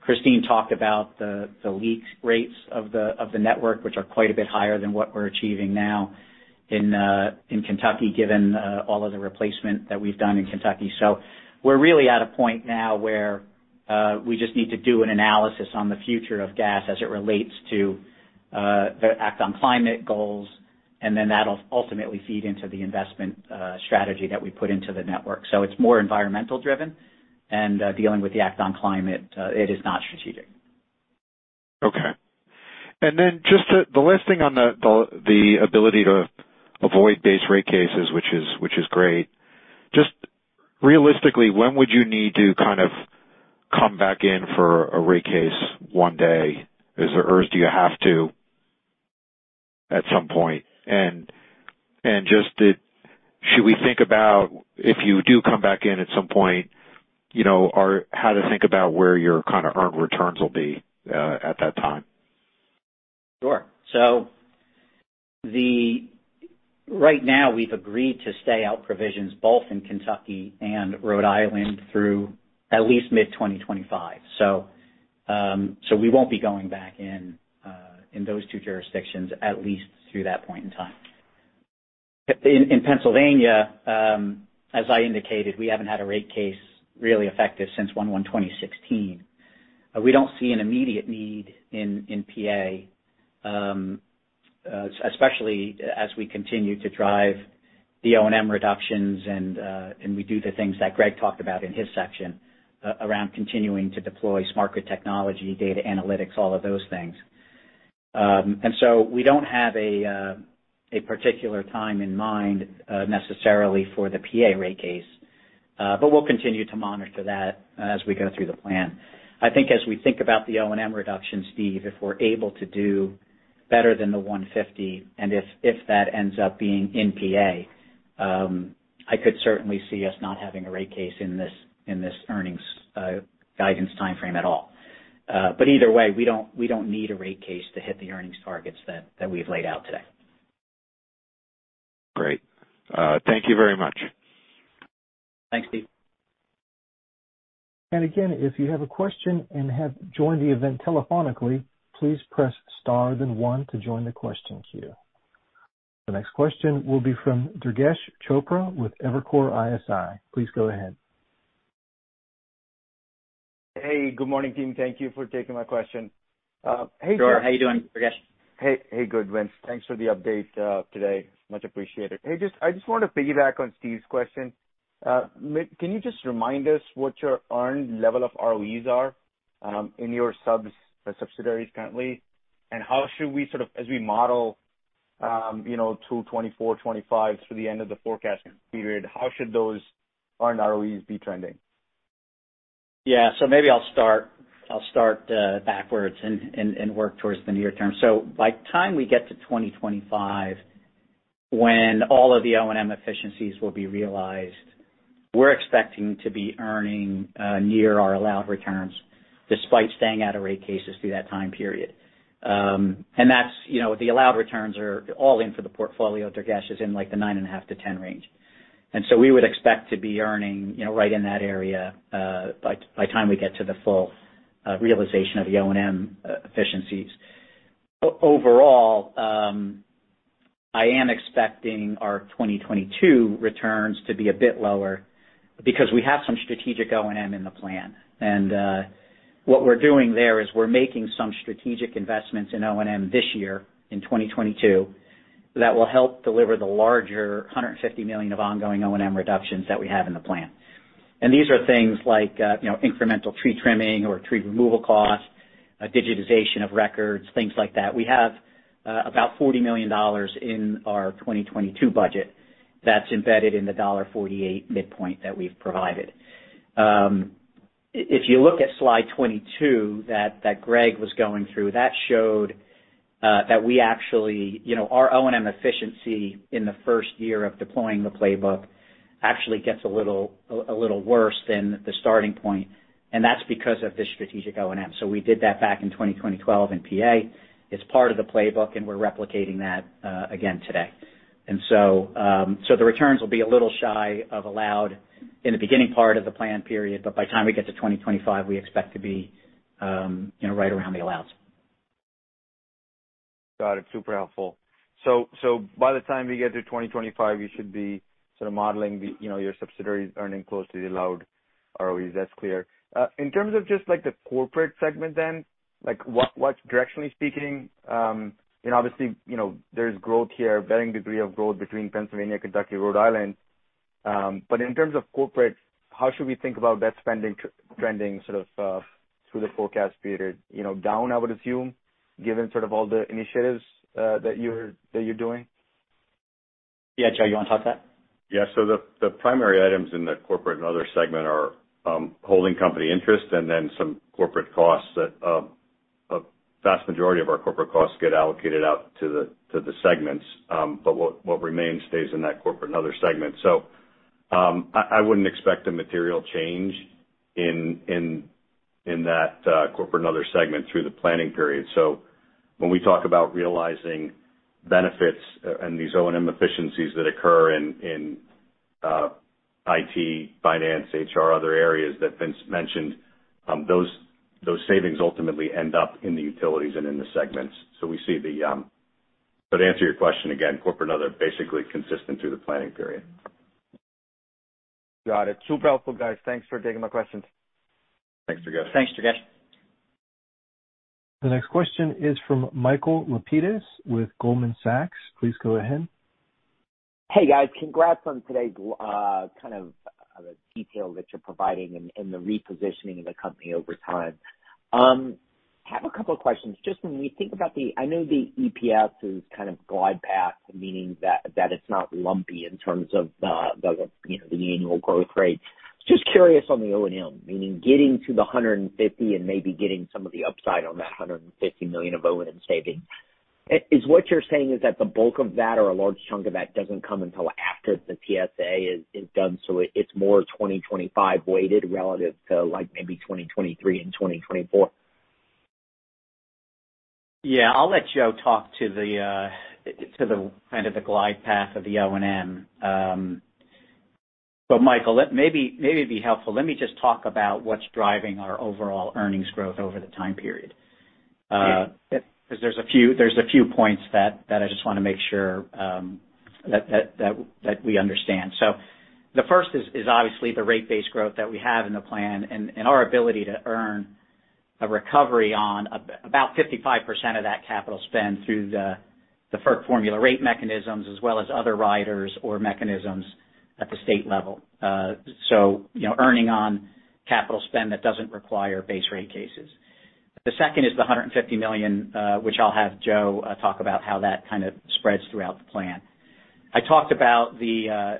C: Christine talked about the leak rates of the network, which are quite a bit higher than what we're achieving now in Kentucky, given all of the replacement that we've done in Kentucky. We're really at a point now where we just need to do an analysis on the future of gas as it relates to the Act on Climate goals, and then that'll ultimately feed into the investment strategy that we put into the network. It's more environmental driven and dealing with the Act on Climate, it is not strategic.
I: Okay. The last thing on the ability to avoid base rate cases, which is great. Just realistically, when would you need to kind of come back in for a rate case one day? Or do you have to at some point? Should we think about if you do come back in at some point, you know, or how to think about where your kind of earned returns will be at that time?
C: Sure. Right now we've agreed to stay out provisions both in Kentucky and Rhode Island through at least mid-2025. We won't be going back in in those two jurisdictions at least through that point in time. In Pennsylvania, as I indicated, we haven't had a rate case really effective since 2016. We don't see an immediate need in PA, especially as we continue to drive the O&M reductions and we do the things that Greg talked about in his section around continuing to deploy smarter technology, data analytics, all of those things. We don't have a particular time in mind necessarily for the PA rate case. We'll continue to monitor that as we go through the plan. I think as we think about the O&M reduction, Steve, if we're able to do better than the $150, and if that ends up being in PA, I could certainly see us not having a rate case in this earnings guidance timeframe at all. Either way, we don't need a rate case to hit the earnings targets that we've laid out today.
I: Great. Thank you very much.
C: Thanks, Steve.
A: Again, if you have a question and have joined the event telephonically, please press star then one to join the question queue. The next question will be from Durgesh Chopra with Evercore ISI. Please go ahead.
J: Hey, good morning, team. Thank you for taking my question.
C: Sure. How are you doing, Durgesh?
J: Hey, good, Vince. Thanks for the update today. Much appreciated. Hey, I just want to piggyback on Steve's question. Can you just remind us what your earned level of ROEs are in your subsidiaries currently? How should we as we model, you know, 2024, 2025 through the end of the forecasting period, how should those earned ROEs be trending?
C: Yeah. Maybe I'll start backwards and work towards the near term. By the time we get to 2025, when all of the O&M efficiencies will be realized, we're expecting to be earning near our allowed returns despite staying out of rate cases through that time period. That's, you know, the allowed returns are all in for the portfolio. There, as in, like, the 9.5%-10% range. We would expect to be earning, you know, right in that area, by the time we get to the full realization of the O&M efficiencies. Overall, I am expecting our 2022 returns to be a bit lower because we have some strategic O&M in the plan. What we're doing there is we're making some strategic investments in O&M this year in 2022 that will help deliver the larger $150 million of ongoing O&M reductions that we have in the plan. These are things like, you know, incremental tree trimming or tree removal costs, digitization of records, things like that. We have about $40 million in our 2022 budget that's embedded in the $148 midpoint that we've provided. If you look at slide 22 that Greg was going through, that showed that we actually you know, our O&M efficiency in the first year of deploying the playbook actually gets a little worse than the starting point, and that's because of the strategic O&M. We did that back in 2012 in PA. It's part of the playbook, and we're replicating that again today. The returns will be a little shy of allowed in the beginning part of the plan period, but by the time we get to 2025, we expect to be, you know, right around the allows.
J: Got it. Super helpful. By the time we get to 2025, you should be sort of modeling the, you know, your subsidiaries earning close to the allowed ROEs. That's clear. In terms of just, like, the corporate segment then, like, what directionally speaking, you know, obviously, you know, there's growth here, varying degree of growth between Pennsylvania, Kentucky, Rhode Island. In terms of corporate, how should we think about that spending trending sort of through the forecast period? You know, down, I would assume, given sort of all the initiatives that you're doing.
C: Yeah. Joe, you wanna talk to that?
F: Yeah. The primary items in the corporate, and other segment are holding company interest, and then some corporate costs that a vast majority of our corporate costs get allocated out to the segments. What remains stays in that corporate and other segment. I wouldn't expect a material change in that corporat and other segment through the planning period. When we talk about realizing benefits and these O&M efficiencies that occur in IT, finance, HR, other areas that Vince mentioned, those savings ultimately end up in the utilities and in the segments. To answer your question again, corporate and other basically consistent through the planning period.
J: Got it. Super helpful, guys. Thanks for taking my questions.
F: Thanks, Durgesh.
C: Thanks, Durgesh.
A: The next question is from Michael Lapides with Goldman Sachs. Please go ahead.
K: Hey, guys. Congrats on today's kind of detail that you're providing and the repositioning of the company over time. Have a couple of questions. Just when we think about the. I know the EPS is kind of glide path, meaning that it's not lumpy in terms of the you know the annual growth rate. Just curious on the O&M, meaning getting to the 150 and maybe getting some of the upside on that $150 million of O&M savings. Is what you're saying is that the bulk of that or a large chunk of that doesn't come until after the TSA is done, so it's more 2025 weighted relative to like maybe 2023 and 2024?
C: Yeah. I'll let Joe talk to the kind of glide path of the O&M. But Michael, maybe it'd be helpful. Let me just talk about what's driving our overall earnings growth over the time period.
K: Yeah.
C: Because there's a few points that I just wanna make sure that we understand. The first is obviously the rate base growth that we have in the plan and our ability to earn a recovery on about 55% of that capital spend through the FERC formula rate mechanisms as well as other riders or mechanisms at the state level. You know, earning on capital spend that doesn't require base rate cases. The second is the $150 million, which I'll have Joe talk about how that kind of spreads throughout the plan. I talked about the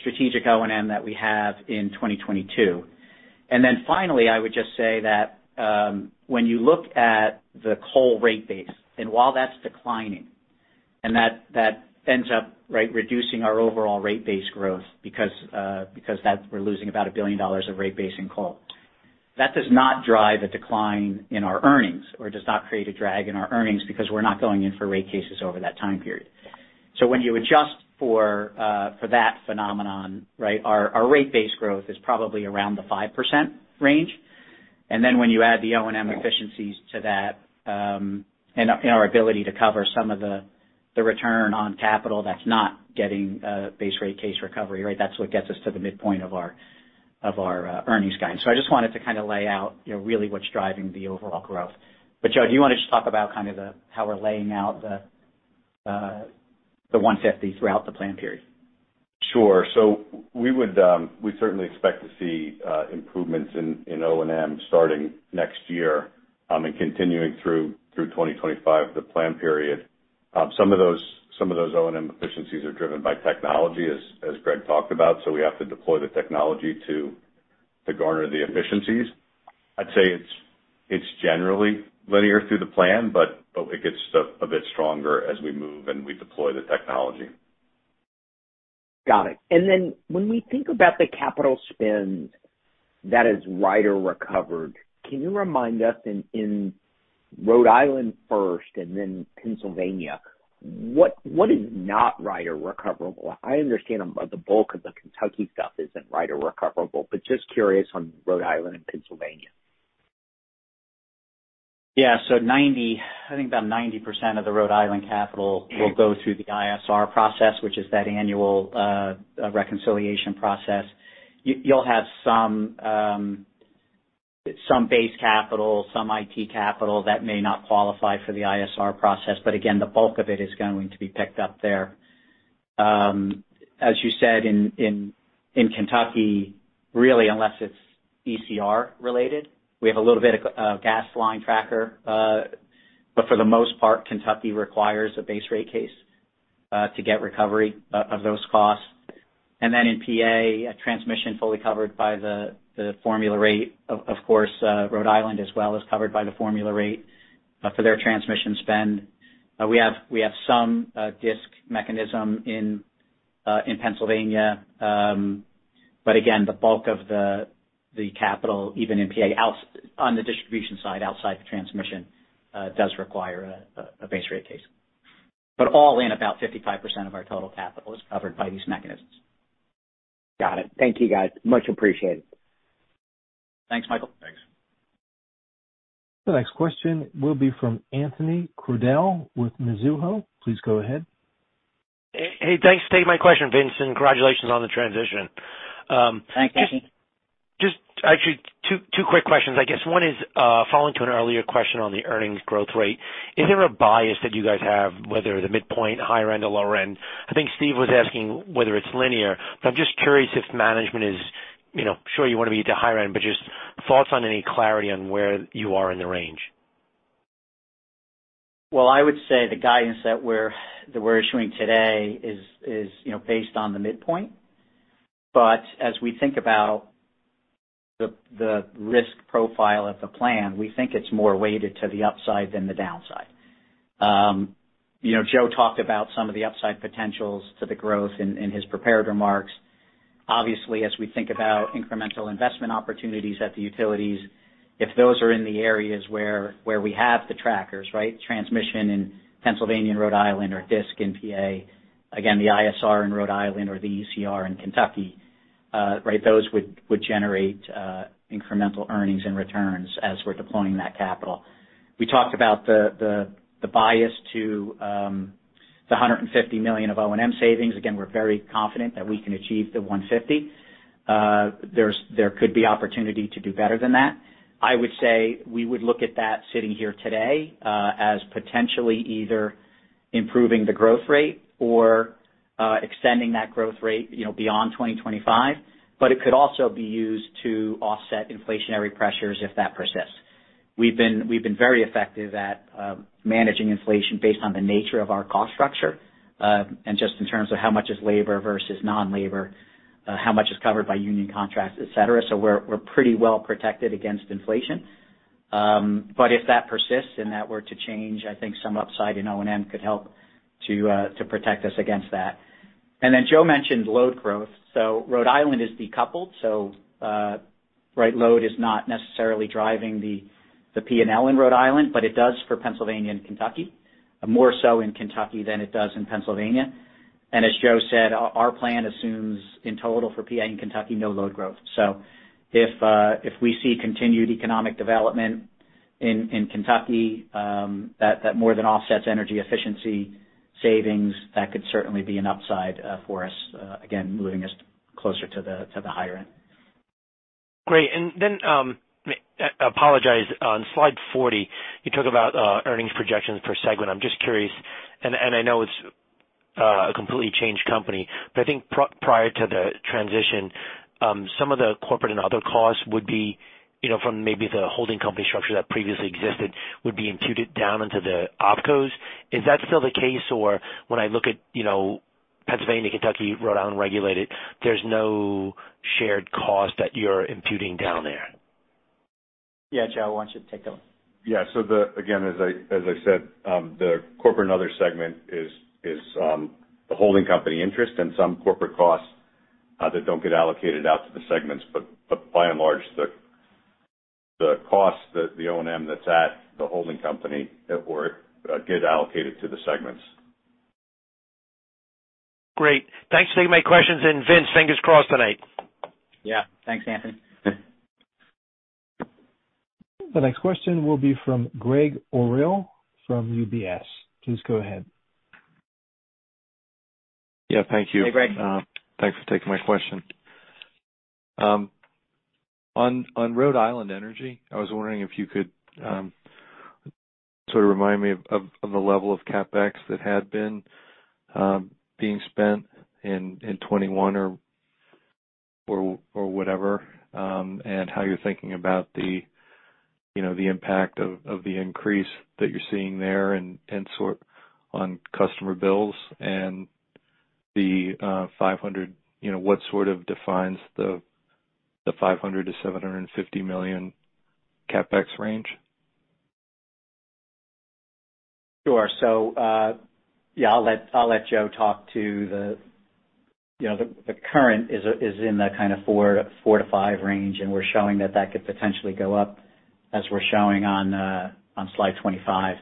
C: strategic O&M that we have in 2022. Finally, I would just say that, when you look at the coal rate base, and while that's declining and that ends up, right, reducing our overall rate base growth because we're losing about $1 billion of rate base in coal. That does not drive a decline in our earnings or does not create a drag in our earnings because we're not going in for rate cases over that time period. When you adjust for that phenomenon, right, our rate base growth is probably around the 5% range. When you add the O&M efficiencies to that, and our ability to cover some of the return on capital that's not getting base rate case recovery, right? That's what gets us to the midpoint of our earnings guide. I just wanted to kind of lay out, you know, really what's driving the overall growth. Joe, do you wanna just talk about kind of how we're laying out the $150 throughout the plan period?
F: Sure. We would certainly expect to see improvements in O&M starting next year and continuing through 2025, the plan period. Some of those O&M efficiencies are driven by technology, as Greg talked about, so we have to deploy the technology to garner the efficiencies. I'd say it's generally linear through the plan, but it gets a bit stronger as we move and we deploy the technology.
K: Got it. When we think about the capital spend that is rider recovered, can you remind us in Rhode Island first and then Pennsylvania, what is not rider recoverable? I understand the bulk of the Kentucky stuff isn't rider recoverable, but just curious on Rhode Island and Pennsylvania.
C: Yeah. I think about 90% of the Rhode Island capital will go through the ISR process, which is that annual reconciliation process. You'll have some base capital, some IT capital that may not qualify for the ISR process, but again, the bulk of it is going to be picked up there. As you said in Kentucky, really unless it's ECR related, we have a little bit of gas line tracker. But for the most part, Kentucky requires a base rate case to get recovery of those costs. In PA, transmission fully covered by the formula rate. Of course, Rhode Island as well is covered by the formula rate for their transmission spend. We have some DISC mechanism in Pennsylvania. Even in PA on the distribution side, outside the transmission, does require a base rate case. All in, about 55% of our total capital is covered by these mechanisms.
K: Got it. Thank you, guys. Much appreciated.
C: Thanks, Michael.
F: Thanks.
A: The next question will be from Anthony Crowdell with Mizuho. Please go ahead.
L: Hey, thanks for taking my question, Vince, and congratulations on the transition.
C: Thanks, Anthony.
L: Just actually 2 quick questions. I guess one is, following to an earlier question on the earnings growth rate. Is there a bias that you guys have whether the midpoint higher end or lower end? I think Steve was asking whether it's linear, but I'm just curious if management is, you know, sure you wanna be at the higher end, but just thoughts on any clarity on where you are in the range.
C: Well, I would say the guidance that we're issuing today is, you know, based on the midpoint. As we think about the risk profile of the plan, we think it's more weighted to the upside than the downside. You know, Joe talked about some of the upside potentials to the growth in his prepared remarks. Obviously, as we think about incremental investment opportunities at the utilities, if those are in the areas where we have the trackers, right? Transmission in Pennsylvania and Rhode Island or DISC in PA, again, the ISR in Rhode Island or the ECR in Kentucky, right, those would generate incremental earnings and returns as we're deploying that capital. We talked about the bias to the $150 million of O&M savings. Again, we're very confident that we can achieve the $1.50. There could be opportunity to do better than that. I would say we would look at that sitting here today as potentially either improving the growth rate or extending that growth rate, you know, beyond 2025, but it could also be used to offset inflationary pressures if that persists. We've been very effective at managing inflation based on the nature of our cost structure and just in terms of how much is labor versus non-labor, how much is covered by union contracts, et cetera. We're pretty well protected against inflation. If that persists and that were to change, I think some upside in O&M could help to protect us against that. Joe mentioned load growth. Rhode Island is decoupled. Load is not necessarily driving the P&L in Rhode Island, but it does for Pennsylvania and Kentucky, more so in Kentucky than it does in Pennsylvania. As Joe said, our plan assumes in total for PA and Kentucky, no load growth. If we see continued economic development in Kentucky, that more than offsets energy efficiency savings, that could certainly be an upside for us, again, moving us closer to the higher end.
L: On slide 40, you talk about earnings projections per segment. I'm just curious, and I know it's a completely changed company, but I think prior to the transition, some of the corporate and other costs would be, you know, from maybe the holding company structure that previously existed, would be imputed down into the Opcos. Is that still the case or when I look at, you know, Pennsylvania, Kentucky, Rhode Island Regulated, there's no shared cost that you're imputing down there?
C: Yeah. Joe, why don't you take that one?
F: Yeah. Again, as I said, the corporate and other segment is the holding company interest and some corporate costs that don't get allocated out to the segments. By and large, the cost, the O&M that's at the holding company or get allocated to the segments.
L: Great. Thanks for taking my questions. Vince, fingers crossed tonight.
C: Yeah. Thanks, Anthony.
A: The next question will be from Gregg Orrill from UBS. Please go ahead.
M: Yeah, thank you.
C: Hey, Greg.
M: Thanks for taking my question. On Rhode Island Energy, I was wondering if you could sort of remind me of the level of CapEx that had been being spent in 2021 or whatever, and how you're thinking about the, you know, the impact of the increase that you're seeing there and on customer bills and the $500. You know, what sort of defines the $500-$750 million CapEx range?
C: Sure. Yeah, I'll let Joe talk about the current. You know, the current is in the kind of four to five range, and we're showing that could potentially go up as we're showing on slide 25.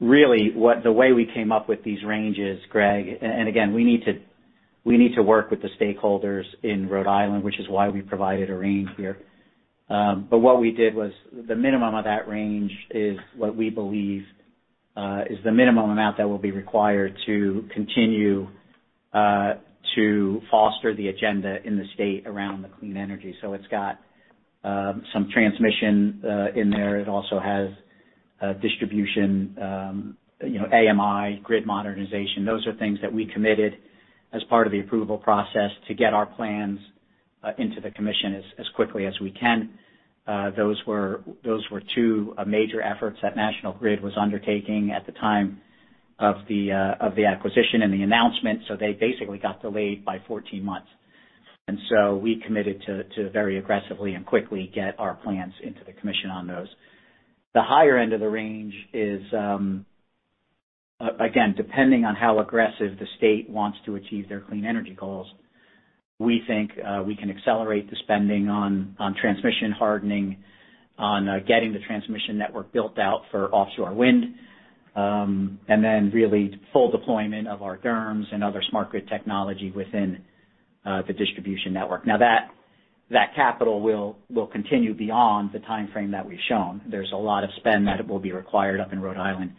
C: Really, the way we came up with these ranges, Greg, and again, we need to work with the stakeholders in Rhode Island, which is why we provided a range here. What we did was the minimum of that range is what we believe is the minimum amount that will be required to continue to foster the agenda in the state around clean energy. It's got some transmission in there. It also has distribution, you know, AMI grid modernization. Those are things that we committed as part of the approval process to get our plans into the commission as quickly as we can. Those were two major efforts that National Grid was undertaking at the time of the acquisition and the announcement. They basically got delayed by 14 months. We committed to very aggressively and quickly get our plans into the commission on those. The higher end of the range is again, depending on how aggressive the state wants to achieve their clean energy goals. We think we can accelerate the spending on transmission hardening, on getting the transmission network built out for offshore wind. Then really full deployment of our DERMS and other smart grid technology within the distribution network. Now that capital will continue beyond the timeframe that we've shown. There's a lot of spend that will be required up in Rhode Island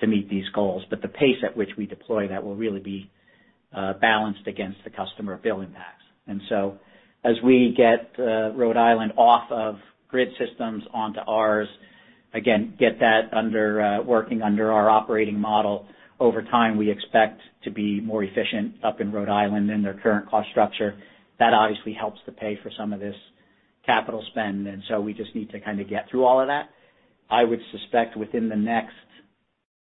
C: to meet these goals, but the pace at which we deploy that will really be balanced against the customer bill impacts. As we get Rhode Island off of grid systems onto ours, again, get that under working under our operating model, over time, we expect to be more efficient up in Rhode Island than their current cost structure. That obviously helps to pay for some of this capital spend. We just need to kind of get through all of that. I would suspect within the next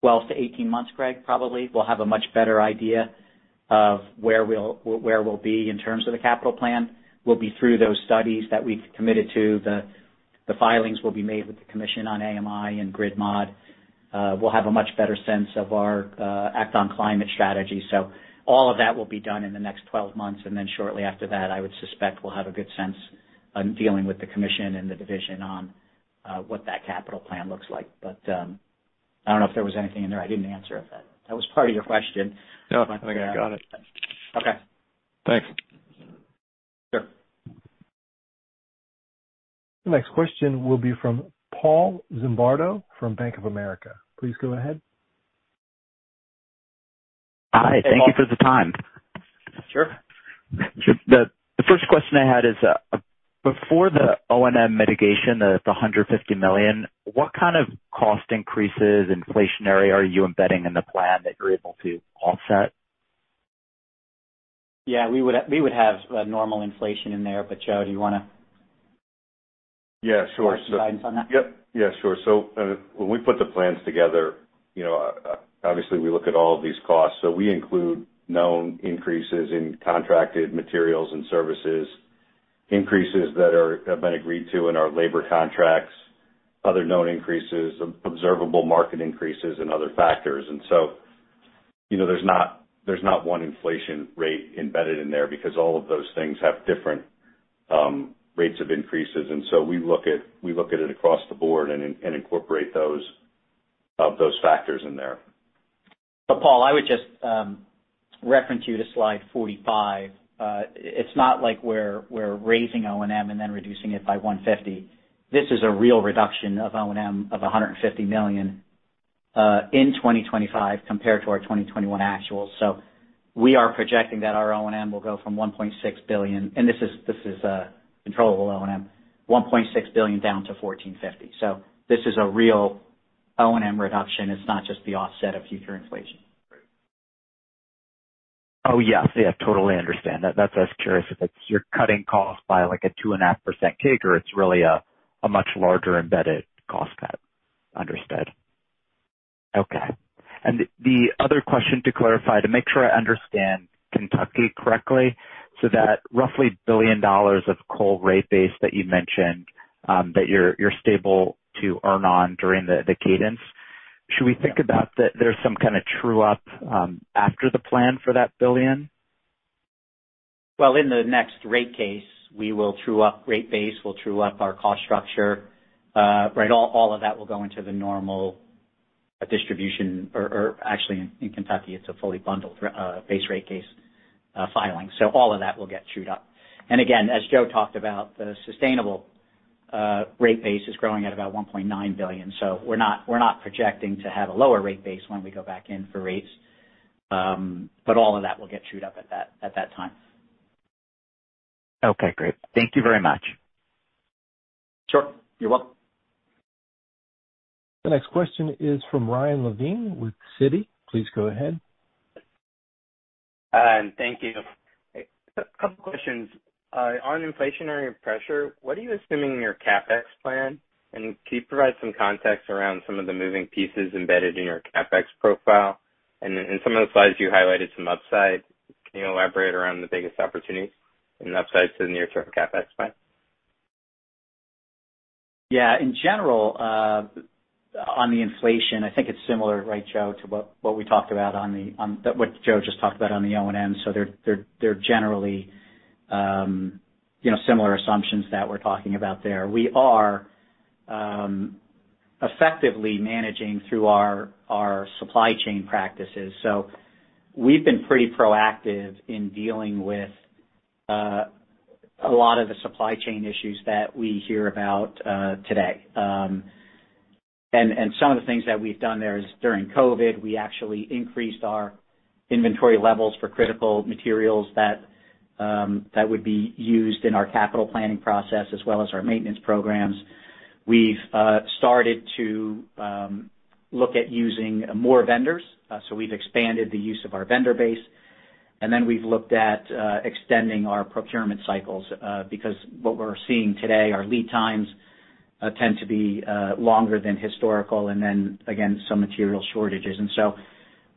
C: 12-18 months, Greg, probably we'll have a much better idea of where we'll be in terms of the capital plan. We'll be through those studies that we've committed to. The filings will be made with the commission on AMI and grid mod. We'll have a much better sense of our Act on Climate strategy. All of that will be done in the next 12 months. Shortly after that, I would suspect we'll have a good sense on dealing with the commission and the division on what that capital plan looks like. I don't know if there was anything in there I didn't answer. If that was part of your question.
M: No, I think I got it.
C: Okay.
M: Thanks.
C: Sure.
A: The next question will be from Paul Zimbardo from Bank of America. Please go ahead.
N: Hi. Thank you for the time.
C: Sure.
N: The first question I had is, before the O&M mitigation, the $150 million, what kind of cost increases inflationary are you embedding in the plan that you're able to offset?
C: Yeah, we would have normal inflation in there, but Joe, do you wanna-
F: Yeah, sure.
C: Provide some guidance on that?
F: Yep. Yeah, sure. When we put the plans together, you know, obviously we look at all of these costs. We include known increases in contracted materials and services, increases that have been agreed to in our labor contracts, other known increases, observable market increases, and other factors. You know, there's not one inflation rate embedded in there because all of those things have different rates of increases. We look at it across the board and incorporate those factors in there.
C: Paul, I would just reference you to slide 45. It's not like we're raising O&M and then reducing it by 150. This is a real reduction of O&M of $150 million in 2025 compared to our 2021 actual. We are projecting that our O&M will go from $1.6 billion, and this is controllable O&M, $1.6 billion down to $1.45 billion. This is a real O&M reduction. It's not just the offset of future inflation.
N: Oh, yes. Yeah, totally understand. That's got us curious if it's you cutting costs by like a 2.5% take or it's really a much larger embedded cost cut. Understood. Okay. The other question to clarify, to make sure I understand Kentucky correctly, so that roughly $1 billion of coal rate base that you mentioned, that you're able to earn on during the cadence. Should we think about that there's some kind of true-up after the plan for that $1 billion?
C: Well, in the next rate case, we will true up rate base, we'll true up our cost structure. All of that will go into the normal distribution or actually in Kentucky it's a fully bundled base rate case filing. All of that will get trued up. Again, as Joe talked about, the sustainable rate base is growing at about $1.9 billion. We're not projecting to have a lower rate base when we go back in for rates. All of that will get trued up at that time.
N: Okay, great. Thank you very much.
C: Sure. You're welcome.
A: The next question is from Ryan Levine with Citi. Please go ahead.
O: Thank you.A couple questions. On inflationary pressure, what are you assuming in your CapEx plan? Can you provide some context around some of the moving pieces embedded in your CapEx profile? In some of the slides you highlighted some upside. Can you elaborate around the biggest opportunities and upside to the near-term CapEx plan?
C: Yeah, in general, on the inflation, I think it's similar, right, Joe, to what we talked about on what Joe just talked about on the O&M. They're generally, you know, similar assumptions that we're talking about there. We are effectively managing through our supply chain practices. We've been pretty proactive in dealing with a lot of the supply chain issues that we hear about today. Some of the things that we've done there is during COVID, we actually increased our inventory levels for critical materials that would be used in our capital planning process as well as our maintenance programs. We've started to look at using more vendors. We've expanded the use of our vendor base. We've looked at extending our procurement cycles, because what we're seeing today, our lead times tend to be longer than historical. Some material shortages.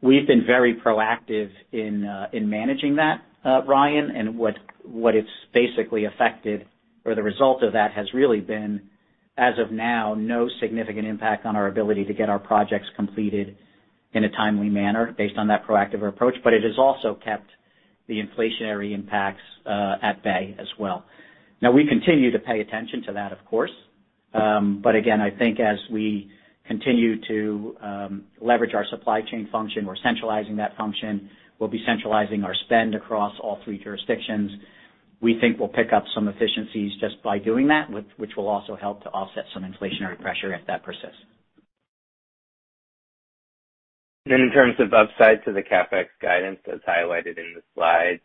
C: We've been very proactive in managing that, Ryan, and what it's basically affected or the result of that has really been, as of now, no significant impact on our ability to get our projects completed in a timely manner based on that proactive approach. It has also kept the inflationary impacts at bay as well. Now, we continue to pay attention to that, of course. I think as we continue to leverage our supply chain function, we're centralizing that function. We'll be centralizing our spend across all three jurisdictions. We think we'll pick up some efficiencies just by doing that, which will also help to offset some inflationary pressure if that persists.
O: In terms of upside to the CapEx guidance that's highlighted in the slide,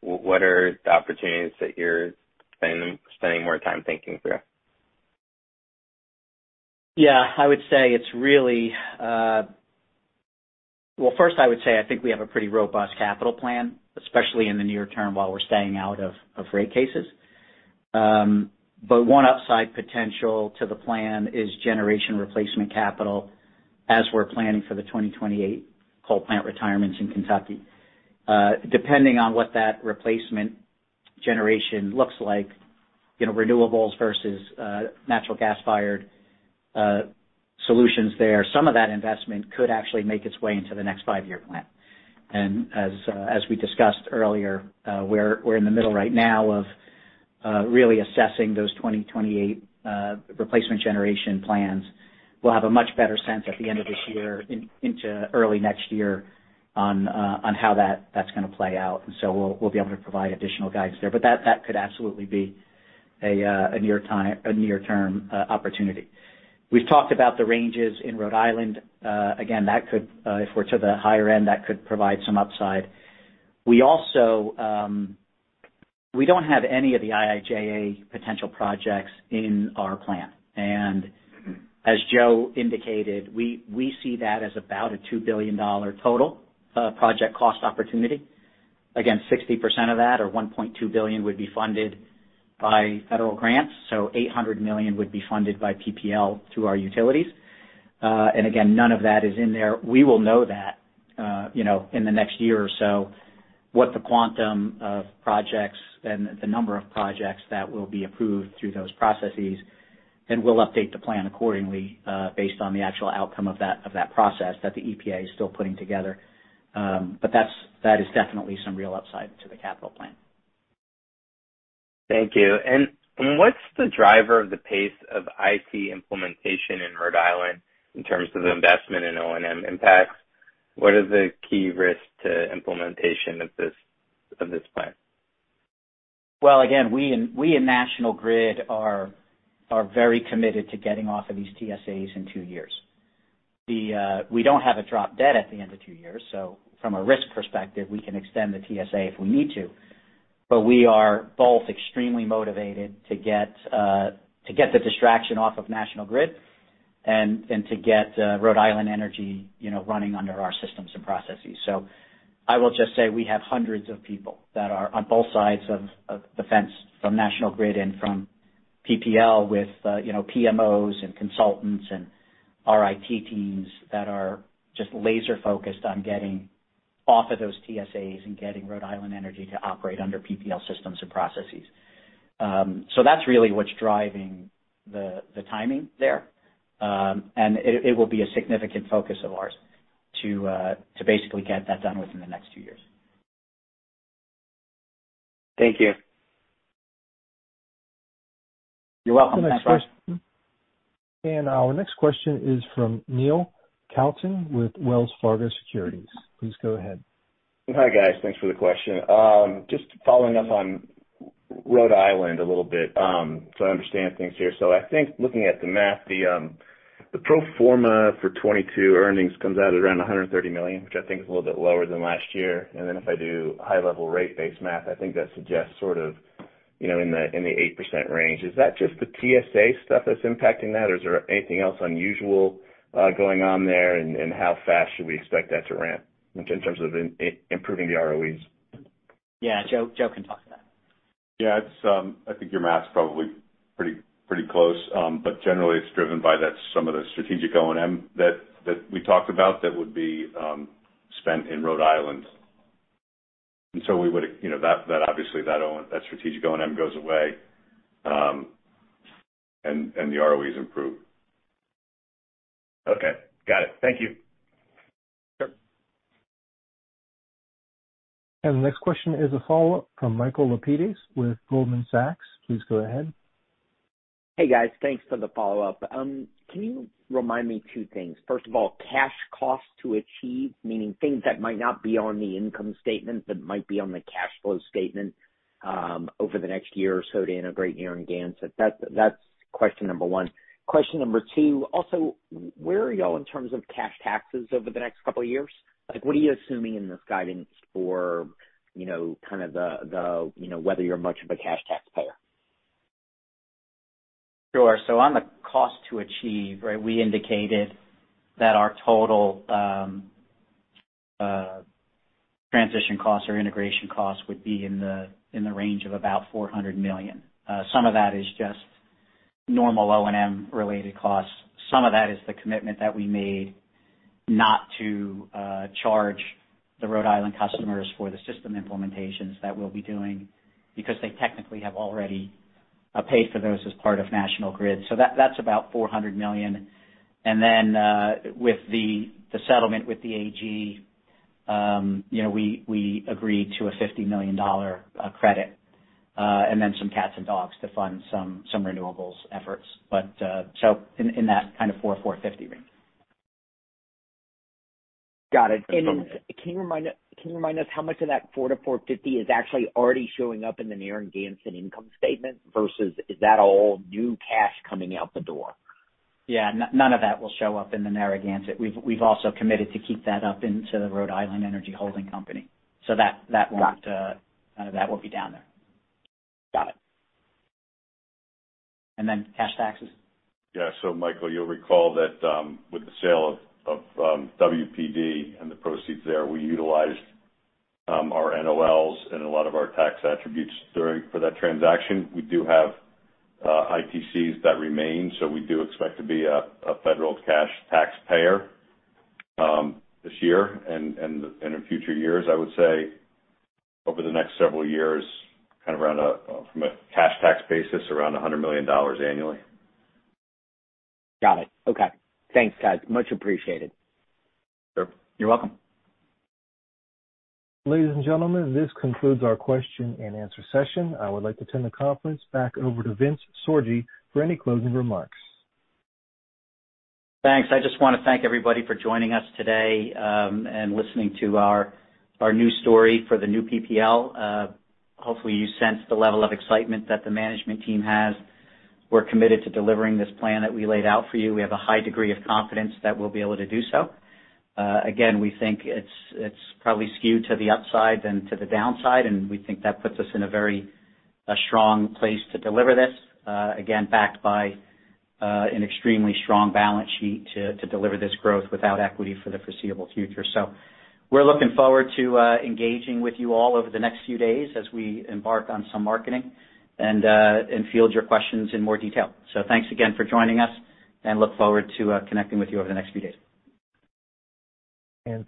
O: what are the opportunities that you're spending more time thinking through?
C: Well, first, I would say, I think we have a pretty robust capital plan, especially in the near term while we're staying out of rate cases. One upside potential to the plan is generation replacement capital as we're planning for the 2028 coal plant retirements in Kentucky. Depending on what that replacement generation looks like, you know, renewables versus natural gas-fired solutions there, some of that investment could actually make its way into the next five-year plan. As we discussed earlier, we're in the middle right now of really assessing those 2028 replacement generation plans. We'll have a much better sense at the end of this year into early next year on how that's gonna play out. We'll be able to provide additional guidance there. That could absolutely be a near-term opportunity. We've talked about the ranges in Rhode Island. Again, that could, if we're to the higher end, provide some upside. We also don't have any of the IIJA potential projects in our plan. As Joe indicated, we see that as about a $2 billion total project cost opportunity. Again, 60% of that or $1.2 billion would be funded by federal grants, so $800 million would be funded by PPL through our utilities. Again, none of that is in there. We will know that, you know, in the next year or so what the quantum of projects and the number of projects that will be approved through those processes, and we'll update the plan accordingly, based on the actual outcome of that process that the EPA is still putting together. That is definitely some real upside to the capital plan.
O: Thank you. What's the driver of the pace of IT implementation in Rhode Island in terms of the investment in O&M impacts? What is the key risk to implementation of this plan?
C: Well, again, we and National Grid are very committed to getting off of these TSAs in two years. We don't have a drop-dead at the end of two years, so from a risk perspective, we can extend the TSA if we need to. We are both extremely motivated to get the distraction off of National Grid and to get Rhode Island Energy, you know, running under our systems and processes. I will just say we have hundreds of people that are on both sides of the fence from National Grid and from PPL with you know, PMOs and consultants and our IT teams that are just laser-focused on getting off of those TSAs and getting Rhode Island Energy to operate under PPL systems and processes. That's really what's driving the timing there. It will be a significant focus of ours to basically get that done within the next two years.
O: Thank you.
C: You're welcome.
A: Our next question is from Neil Kalton with Wells Fargo Securities. Please go ahead.
P: Hi, guys. Thanks for the question. Just following up on Rhode Island a little bit, so I understand things here. I think looking at the math, the pro forma for 2022 earnings comes out at around $130 million, which I think is a little bit lower than last year. Then if I do high-level rate base math, I think that suggests sort of, you know, in the 8% range. Is that just the TSA stuff that's impacting that? Or is there anything else unusual going on there? And how fast should we expect that to ramp in terms of improving the ROEs?
C: Yeah, Joe. Joe can talk to that.
F: Yeah, it's. I think your math's probably pretty close. Generally it's driven by that some of the strategic O&M that we talked about that would be spent in Rhode Island. We would, you know, that obviously strategic O&M goes away, and the ROEs improve.
P: Okay, got it. Thank you.
F: Sure.
A: The next question is a follow-up from Michael Lapides with Goldman Sachs. Please go ahead.
K: Hey, guys. Thanks for the follow-up. Can you remind me two things? First of all, cash costs to achieve, meaning things that might not be on the income statement but might be on the cash flow statement, over the next year or so to integrate Narragansett. That's question number one. Question number two, also, where are y'all in terms of cash taxes over the next couple of years? Like, what are you assuming in this guidance for, you know, kind of the, you know, whether you're much of a cash taxpayer?
C: On the cost to achieve, right, we indicated that our total transition costs or integration costs would be in the range of about $400 million. Some of that is just normal O&M-related costs. Some of that is the commitment that we made not to charge the Rhode Island customers for the system implementations that we'll be doing because they technically have already paid for those as part of National Grid. That's about $400 million. With the settlement with the AG, you know, we agreed to a $50 million credit and then some cats and dogs to fund some renewables efforts. In that kind of $400-$450 range.
K: Got it.
C: And then-
K: Can you remind us how much of that $4-$4.50 is actually already showing up in the Narragansett income statement versus is that all new cash coming out the door?
C: Yeah. None of that will show up in the Narragansett. We've also committed to keep that up into the Rhode Island Energy Holdings Company. That won't be down there.
K: Got it.
C: Cash taxes.
F: Yeah. Michael, you'll recall that with the sale of WPD and the proceeds there, we utilized our NOLs and a lot of our tax attributes for that transaction. We do have ITCs that remain. We do expect to be a federal cash taxpayer this year and in future years. I would say over the next several years, kind of around from a cash tax basis, around $100 million annually.
K: Got it. Okay. Thanks, guys. Much appreciated.
F: Sure.
C: You're welcome.
A: Ladies and gentlemen, this concludes our question and answer session. I would like to turn the conference back over to Vince Sorgi for any closing remarks.
C: Thanks. I just want to thank everybody for joining us today, and listening to our new story for the new PPL. Hopefully, you sense the level of excitement that the management team has. We're committed to delivering this plan that we laid out for you. We have a high degree of confidence that we'll be able to do so. Again, we think it's probably skewed to the upside than to the downside, and we think that puts us in a very strong place to deliver this, again, backed by an extremely strong balance sheet to deliver this growth without equity for the foreseeable future. We're looking forward to engaging with you all over the next few days as we embark on some marketing and field your questions in more detail. Thanks again for joining us and look forward to connecting with you over the next few days.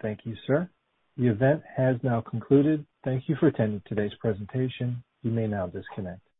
A: Thank you, sir. The event has now concluded. Thank you for attending today's presentation. You may now disconnect.